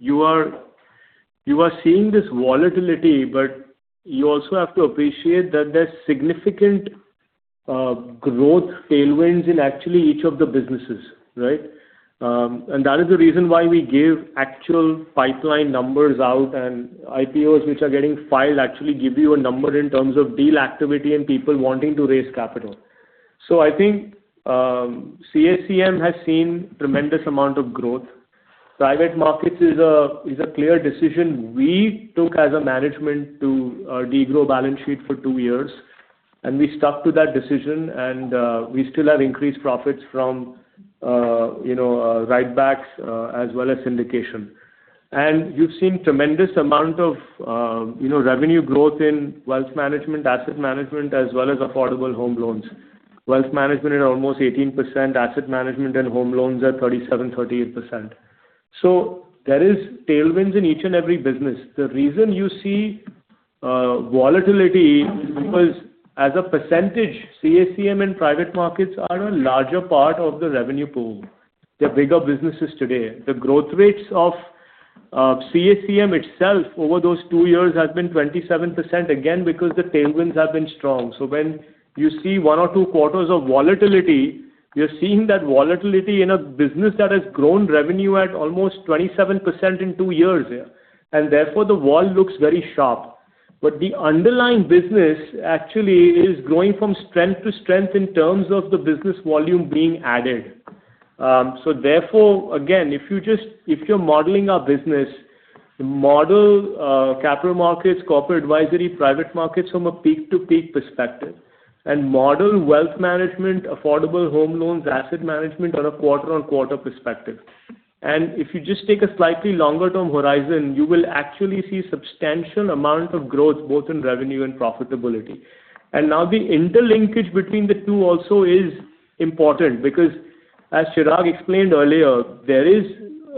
You are seeing this volatility, but you also have to appreciate that there's significant growth tailwinds in actually each of the businesses. That is the reason why we give actual pipeline numbers out and IPOs which are getting filed actually give you a number in terms of deal activity and people wanting to raise capital. I think CACM has seen tremendous amount of growth. Private Credit is a clear decision we took as a management to de-grow balance sheet for two years, and we stuck to that decision and we still have increased profits from write-backs as well as syndication. You've seen tremendous amount of revenue growth in wealth management, asset management, as well as affordable home loans. Wealth management at almost 18%, asset management and home loans are 37%-38%. There is tailwinds in each and every business. The reason you see volatility is because as a percentage, CACM and Private Markets are a larger part of the revenue pool. They're bigger businesses today. The growth rates of CACM itself over those two years has been 27%, again, because the tailwinds have been strong. When you see one or two quarters of volatility, you're seeing that volatility in a business that has grown revenue at almost 27% in two years. Therefore the vol looks very sharp. The underlying business actually is growing from strength to strength in terms of the business volume being added. Therefore, again, if you're modeling our business, model capital markets, corporate advisory, Private Markets from a peak-to-peak perspective, and model wealth management, affordable home loans, asset management on a quarter-on-quarter perspective. If you just take a slightly longer-term horizon, you will actually see substantial amount of growth both in revenue and profitability. Now the interlinkage between the two also is important because as Chirag explained earlier, there is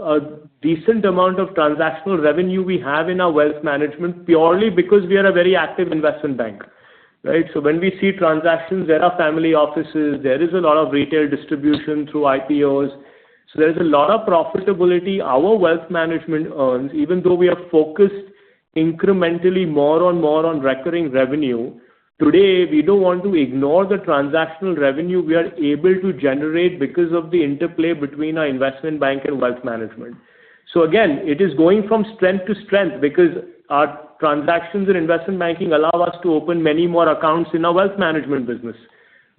a decent amount of transactional revenue we have in our wealth management purely because we are a very active investment bank. When we see transactions, there are family offices, there is a lot of retail distribution through IPOs. There's a lot of profitability our wealth management earns, even though we are focused incrementally more and more on recurring revenue. Today, we don't want to ignore the transactional revenue we are able to generate because of the interplay between our investment bank and wealth management. Again, it is growing from strength to strength because our transactions in investment banking allow us to open many more accounts in our wealth management business.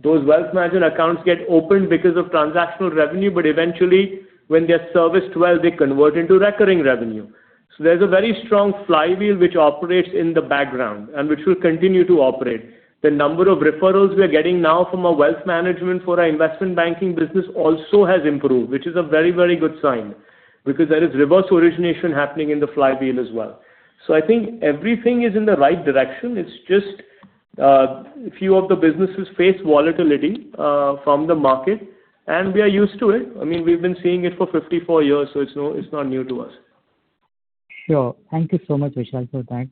Those wealth management accounts get opened because of transactional revenue, but eventually, when they're serviced well, they convert into recurring revenue. There's a very strong flywheel which operates in the background and which will continue to operate. The number of referrals we are getting now from our wealth management for our investment banking business also has improved, which is a very good sign because there is reverse origination happening in the flywheel as well. I think everything is in the right direction. It's just a few of the businesses face volatility from the market, and we are used to it. We've been seeing it for 54 years, so it's not new to us. Sure. Thank you so much, Vishal, for that.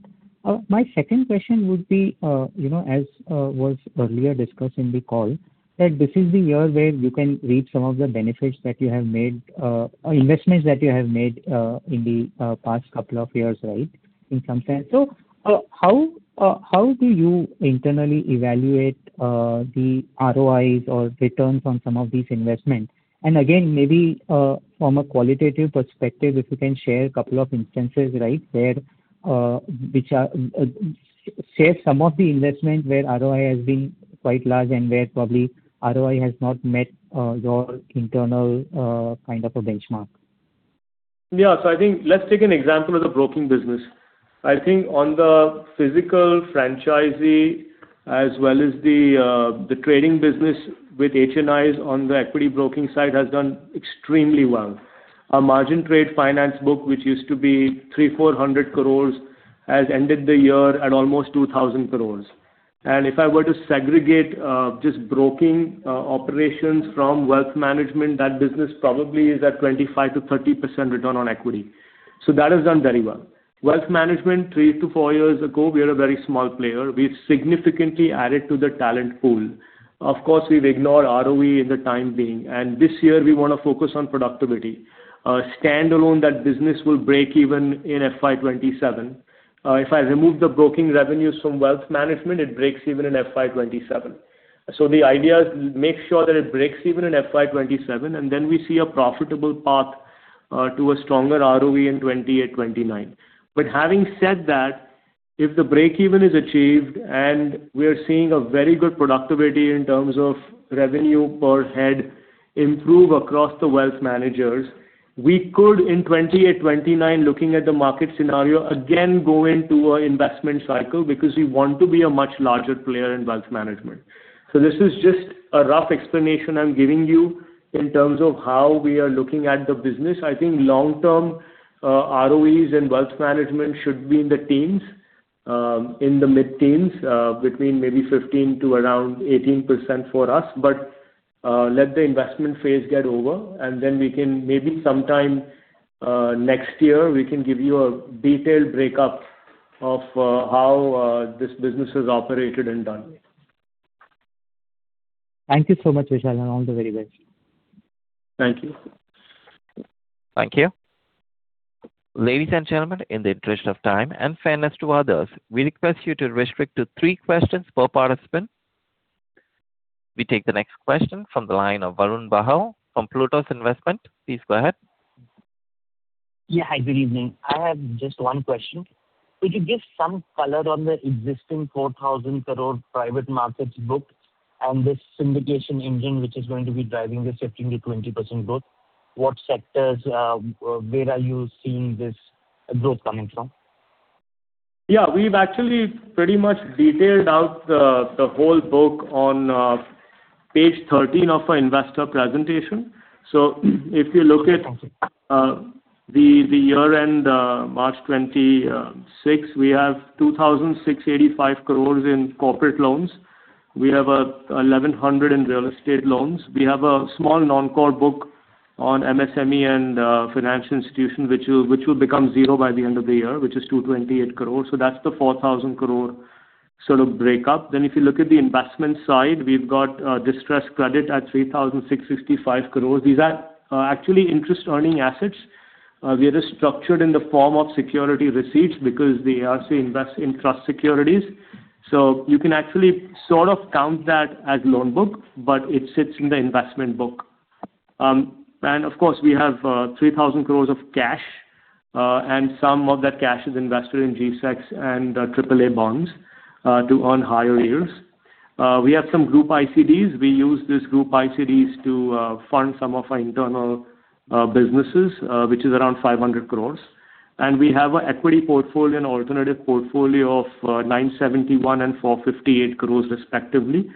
My second question would be, as was earlier discussed in the call, that this is the year where you can reap some of the investments that you have made in the past couple of years. In some sense. How do you internally evaluate the ROIs or returns on some of these investments? Again, maybe from a qualitative perspective, if you can share a couple of instances where, share some of the investment where ROI has been quite large and where probably ROI has not met your internal kind of a benchmark. Yeah. I think let's take an example of the broking business. I think on the physical franchisee as well as the trading business with HNIs on the equity broking side has done extremely well. Our margin trade finance book, which used to be 300 crores, 400 crores, has ended the year at almost 2,000 crores. If I were to segregate just broking operations from Wealth Management, that business probably is at 25%-30% return on equity. That has done very well. Wealth Management, three to four years ago, we were a very small player. We've significantly added to the talent pool. Of course, we've ignored ROE in the time being, and this year we want to focus on productivity. Standalone, that business will break even in FY 2027. If I remove the broking revenues from Wealth Management, it breaks even in FY 2027. The idea is make sure that it breaks even in FY 2027, then we see a profitable path to a stronger ROE in 2028, 2029. Having said that, if the break even is achieved and we are seeing a very good productivity in terms of revenue per head improve across the wealth managers, we could in 2028, 2029, looking at the market scenario, again, go into an investment cycle because we want to be a much larger player in wealth management. This is just a rough explanation I'm giving you in terms of how we are looking at the business. I think long term, ROEs and wealth management should be in the mid-teens, between maybe 15% to around 18% for us. Let the investment phase get over, and then maybe sometime next year, we can give you a detailed breakup of how this business is operated and done. Thank you so much, Vishal, and all the very best. Thank you. Thank you. Ladies and gentlemen, in the interest of time and fairness to others, we request you to restrict to three questions per participant. We take the next question from the line of Varun Bahl from Plutus Investment. Please go ahead. Hi, good evening. I have just one question. Could you give some color on the existing 4,000 crore Private Markets book and this syndication engine which is going to be driving this 15%-20% growth? What sectors, where are you seeing this growth coming from? Yeah. We've actually pretty much detailed out the whole book on page 13 of our investor presentation. If you look at the year-end March 2026, we have 2,685 crore in corporate loans. We have 1,100 crore in real estate loans. We have a small non-core book on MSME and financial institutions, which will become zero by the end of the year, which is 228 crore. That's the 4,000 crore sort of breakup. If you look at the investment side, we've got distressed credit at 3,665 crore. These are actually interest earning assets. We are just structured in the form of security receipts because they are say, invest in trust securities. You can actually sort of count that as loan book, but it sits in the investment book. Of course, we have 3,000 crores of cash, some of that cash is invested in G-Secs and AAA bonds, to earn higher yields. We have some group ICDs. We use this group ICDs to fund some of our internal businesses, which is around 500 crores. We have an equity portfolio and alternative portfolio of 971 crores and 458 crores respectively.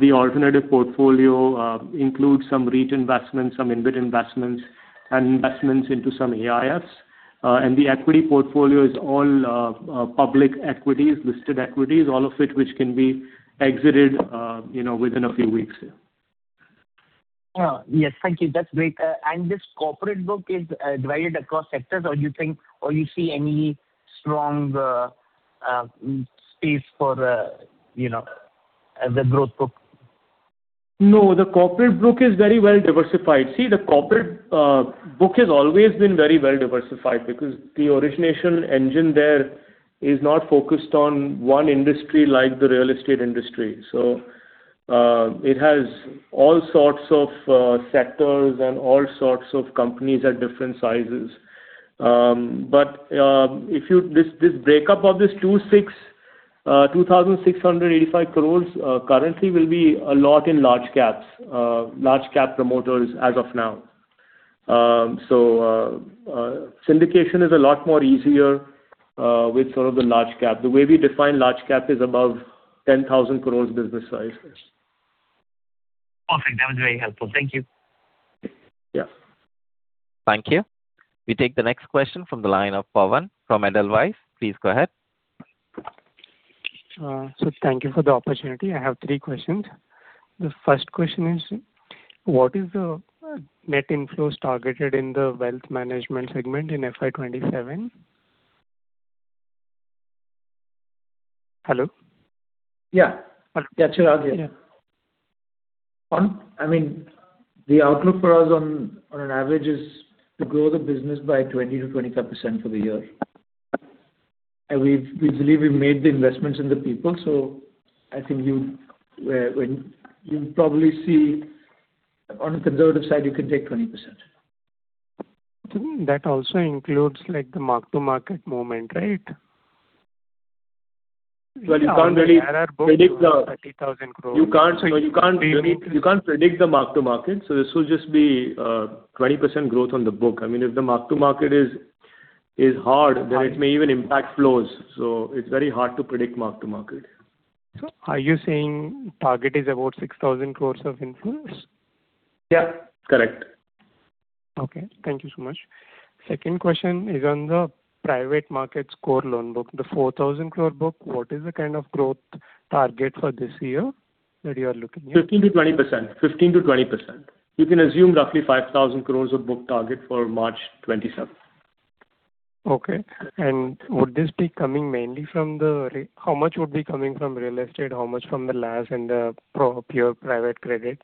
The alternative portfolio includes some REIT investments, some InvIT investments, and investments into some AIFs. The equity portfolio is all public equities, listed equities, all of which can be exited within a few weeks. Yes. Thank you. That's great. This corporate book is divided across sectors, or you see any strong space for the growth book? The corporate book is very well diversified. The corporate book has always been very well diversified because the origination engine there is not focused on one industry like the real estate industry. It has all sorts of sectors and all sorts of companies at different sizes. This breakup of this 2,685 crore currently will be a lot in large cap promoters as of now. Syndication is a lot more easier with sort of the large cap. The way we define large cap is above 10,000 crore business size. Perfect. That was very helpful. Thank you. Yeah. Thank you. We take the next question from the line of Pawan from Edelweiss. Please go ahead. Sir, thank you for the opportunity. I have three questions. The first question is, what is the net inflows targeted in the wealth management segment in FY 2027? Hello? Yeah. I'll catch your idea. Yeah. Pawan, the outlook for us on an average is to grow the business by 20%-25% for the year. We believe we've made the investments in the people, so I think you'll probably see on a conservative side, you can take 20%. That also includes like the mark to market movement, right? Well, you can't really predict. Our book grows 30,000 crore. You can't predict the mark-to-market, this will just be a 20% growth on the book. If the mark-to-market is hard, then it may even impact flows. It's very hard to predict mark-to-market. Are you saying target is about 6,000 crores of inflows? Yeah. Correct. Okay. Thank you so much. Second question is on the private markets core loan book, the 4,000 crore book. What is the kind of growth target for this year that you are looking at? 15%-20%. You can assume roughly 5,000 crores of book target for March 2027. Okay. How much would be coming from real estate? How much from the LAS and the pure Private Credit?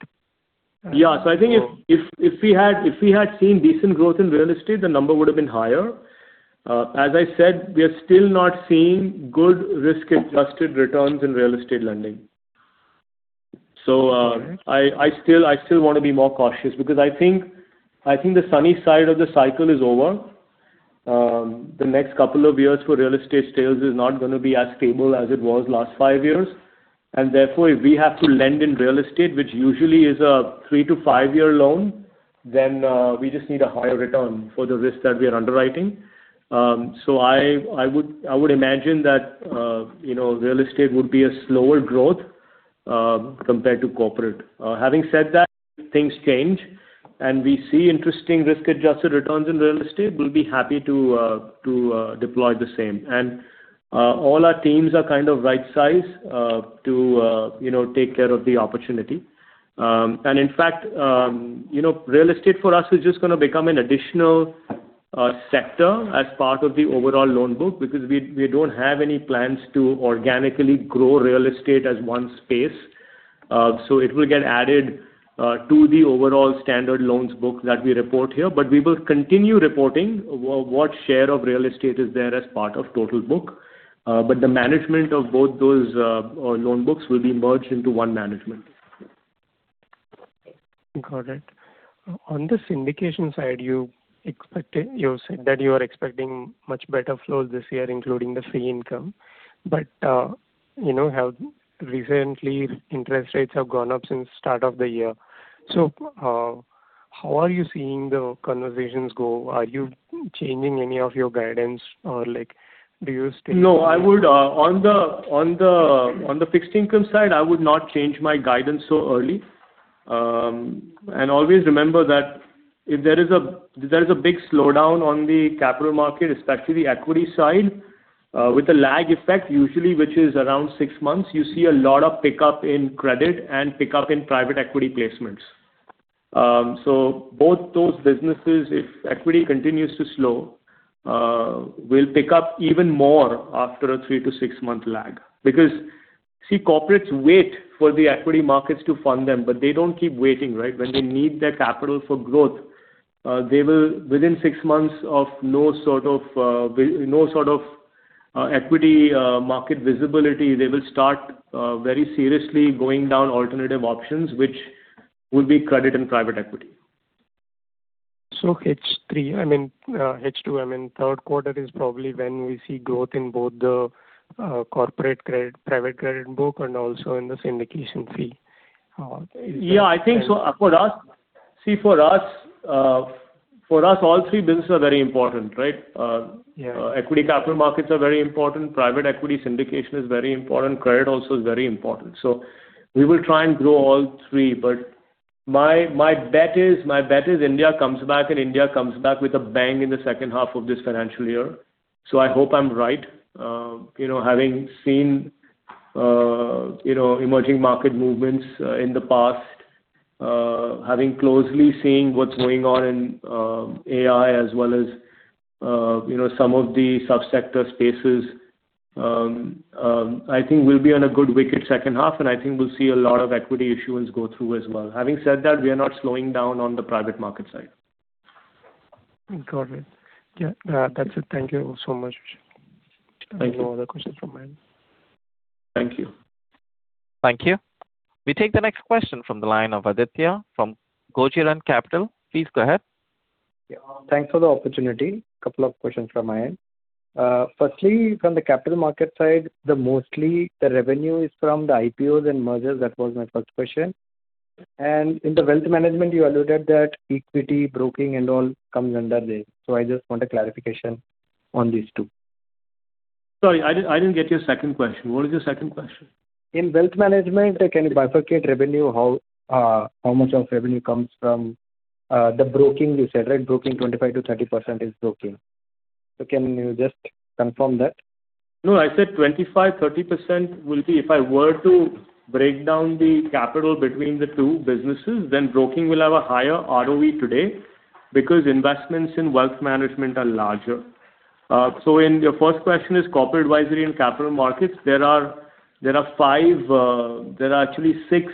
Yeah. I think if we had seen decent growth in real estate, the number would've been higher. As I said, we are still not seeing good risk-adjusted returns in real estate lending. Okay. I still want to be more cautious because I think the sunny side of the cycle is over. The next couple of years for real estate still is not going to be as stable as it was last five years. Therefore, if we have to lend in real estate, which usually is a three to five-year loan, then we just need a higher return for the risk that we are underwriting. I would imagine that real estate would be a slower growth, compared to corporate. Having said that, things change and we see interesting risk-adjusted returns in real estate, we'll be happy to deploy the same. All our teams are kind of right size to take care of the opportunity. In fact, real estate for us is just going to become an additional sector as part of the overall loan book because we don't have any plans to organically grow real estate as one space. It will get added to the overall standard loans book that we report here. We will continue reporting what share of real estate is there as part of total book. The management of both those loan books will be merged into one management. Got it. On the syndication side, you said that you are expecting much better flows this year, including the fee income. How recently interest rates have gone up since start of the year. How are you seeing the conversations go? Are you changing any of your guidance? No. On the fixed income side, I would not change my guidance so early. Always remember that if there is a big slowdown on the capital market, especially equity side, with a lag effect usually, which is around six months, you see a lot of pickup in credit and pickup in private equity placements. Both those businesses, if equity continues to slow, will pick up even more after a three to six-month lag. Corporates wait for the equity markets to fund them, but they don't keep waiting. When they need that capital for growth, within six months of no sort of equity market visibility, they will start very seriously going down alternative options, which will be credit and private equity. H3, I mean, H2 in third quarter is probably when we see growth in both the Corporate Credit, Private Credit book, and also in the syndication fee. Yeah. See, for us, all three business are very important, right? Yeah. Equity capital markets are very important. Private equity syndication is very important. Credit also is very important. We will try and grow all three, but my bet is India comes back, and India comes back with a bang in the second half of this financial year. I hope I'm right. Having seen emerging market movements in the past, having closely seeing what's going on in AI as well as some of the subsector spaces, I think we'll be on a good wicket second half, and I think we'll see a lot of equity issuance go through as well. Having said that, we are not slowing down on the private market side. Got it. Yeah. That's it. Thank you so much. Thank you. I have no other questions from my end. Thank you. Thank you. We take the next question from the line of Aditya from Gochiran Capital. Please go ahead. Yeah. Thanks for the opportunity. Couple of questions from my end. Firstly, from the capital market side, the mostly the revenue is from the IPOs and mergers. That was my first question. In the wealth management, you alluded that equity broking and all comes under this. I just want a clarification on these two. Sorry, I didn't get your second question. What is your second question? In wealth management, can you bifurcate revenue? How much of revenue comes from the broking you said, right? 25%-30% is broking. Can you just confirm that? No, I said 25%, 30% will be if I were to break down the capital between the two businesses, then broking will have a higher ROE today because investments in wealth management are larger. Your first question is Corporate Advisory and Capital Markets. There are actually six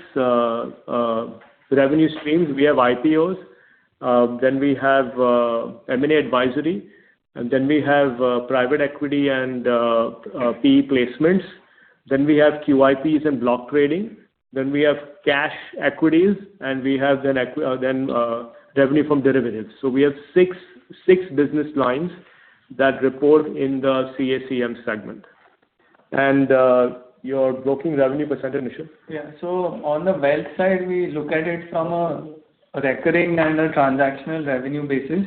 revenue streams. We have IPOs, then we have M&A advisory, and then we have private equity and PE placements. We have QIPs and block trading. We have cash equities, and we have revenue from derivatives. We have six business lines that report in the CACM segment. Your broking revenue percentage, Nishit? Yeah. On the wealth side, we look at it from a recurring and a transactional revenue basis.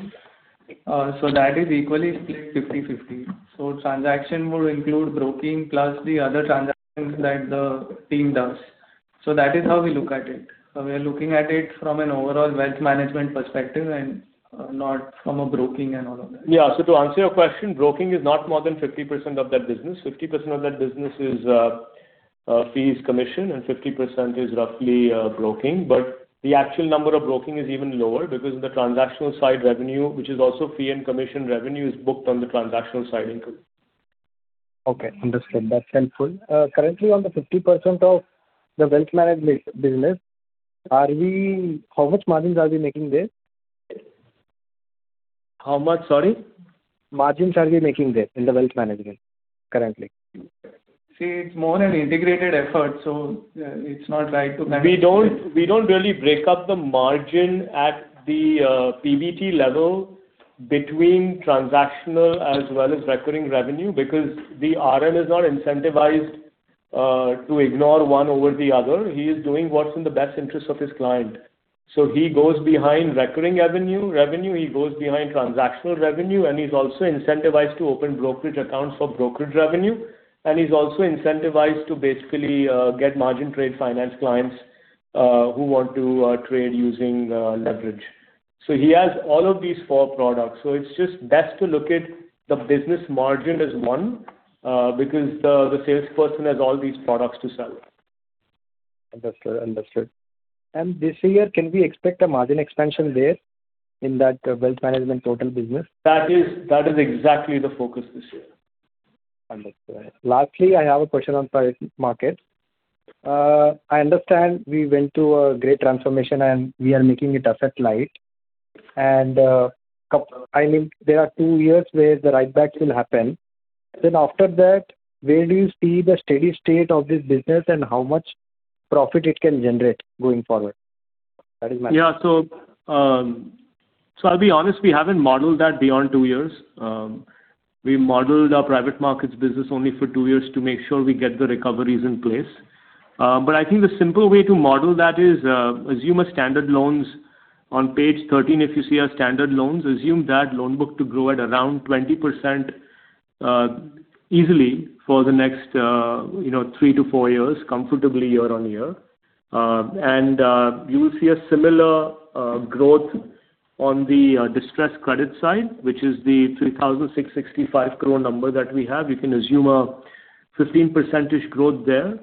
That is equally split 50/50. Transaction would include broking plus the other transactions that the team does. That is how we look at it. We are looking at it from an overall wealth management perspective and not from a broking and all of that. To answer your question, broking is not more than 50% of that business. 50% of that business is fees, commission, and 50% is roughly broking. The actual number of broking is even lower because of the transactional side revenue, which is also fee and commission revenue, is booked on the transactional side income. Okay, understood. That's helpful. Currently, on the 50% of the wealth management business, how much margins are we making there? How much, sorry? Margins are we making there in the wealth management currently? See, it's more an integrated effort, so it's not right. We don't really break up the margin at the PBT level between transactional as well as recurring revenue because the RM is not incentivized to ignore one over the other. He is doing what's in the best interest of his client. He goes behind recurring revenue, he goes behind transactional revenue, and he's also incentivized to open brokerage accounts for brokerage revenue, and he's also incentivized to basically get margin trade finance clients who want to trade using leverage. He has all of these four products. It's just best to look at the business margin as one, because the salesperson has all these products to sell. Understood. This year, can we expect a margin expansion there in that wealth management total business? That is exactly the focus this year. Understood. Lastly, I have a question on private markets. I understand we went through a great transformation and we are making it asset-light. There are two years where the write-backs will happen. After that, where do you see the steady state of this business and how much profit it can generate going forward? Yeah. I'll be honest, we haven't modeled that beyond two years. We modeled our private markets business only for two years to make sure we get the recoveries in place. I think the simple way to model that is assume a standard loans. On page 13, if you see our standard loans, assume that loan book to grow at around 20% easily for the next three-four years, comfortably year on year. You will see a similar growth on the distressed credit side, which is the 3,665 crore number that we have. You can assume a 15% growth there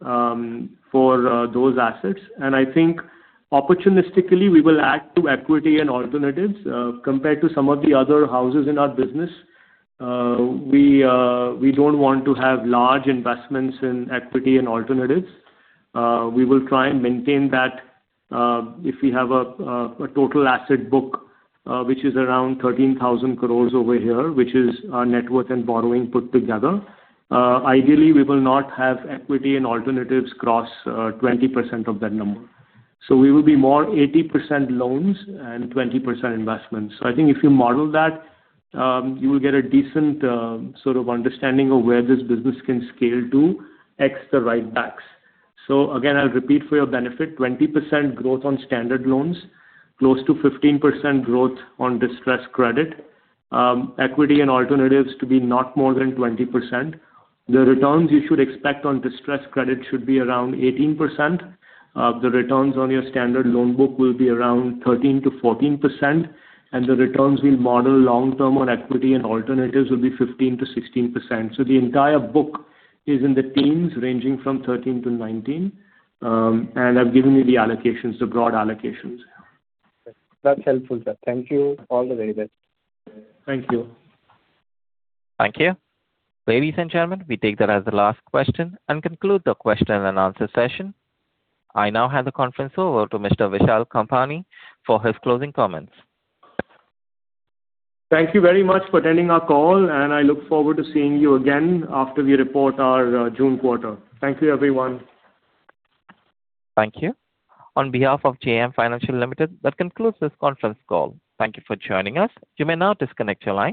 for those assets. I think opportunistically, we will add to equity and alternatives. Compared to some of the other houses in our business, we don't want to have large investments in equity and alternatives. We will try and maintain that if we have a total asset book, which is around 13,000 crores over here, which is our net worth and borrowing put together. Ideally, we will not have equity and alternatives cross 20% of that number. We will be more 80% loans and 20% investments. I think if you model that, you will get a decent sort of understanding of where this business can scale to, ex the write-backs. Again, I'll repeat for your benefit, 20% growth on standard loans, close to 15% growth on distressed credit. Equity and alternatives to be not more than 20%. The returns you should expect on distressed credit should be around 18%. The returns on your standard loan book will be around 13%-14%, and the returns we'll model long-term on equity and alternatives will be 15%-16%. The entire book is in the teens ranging from 13%-19%. I've given you the allocations, the broad allocations. That's helpful, sir. Thank you. All the very best. Thank you. Thank you. Ladies and gentlemen, we take that as the last question and conclude the question and answer session. I now hand the conference over to Mr. Vishal Kampani for his closing comments. Thank you very much for attending our call, and I look forward to seeing you again after we report our June quarter. Thank you, everyone. Thank you. On behalf of JM Financial Limited, that concludes this conference call. Thank you for joining us. You may now disconnect your lines.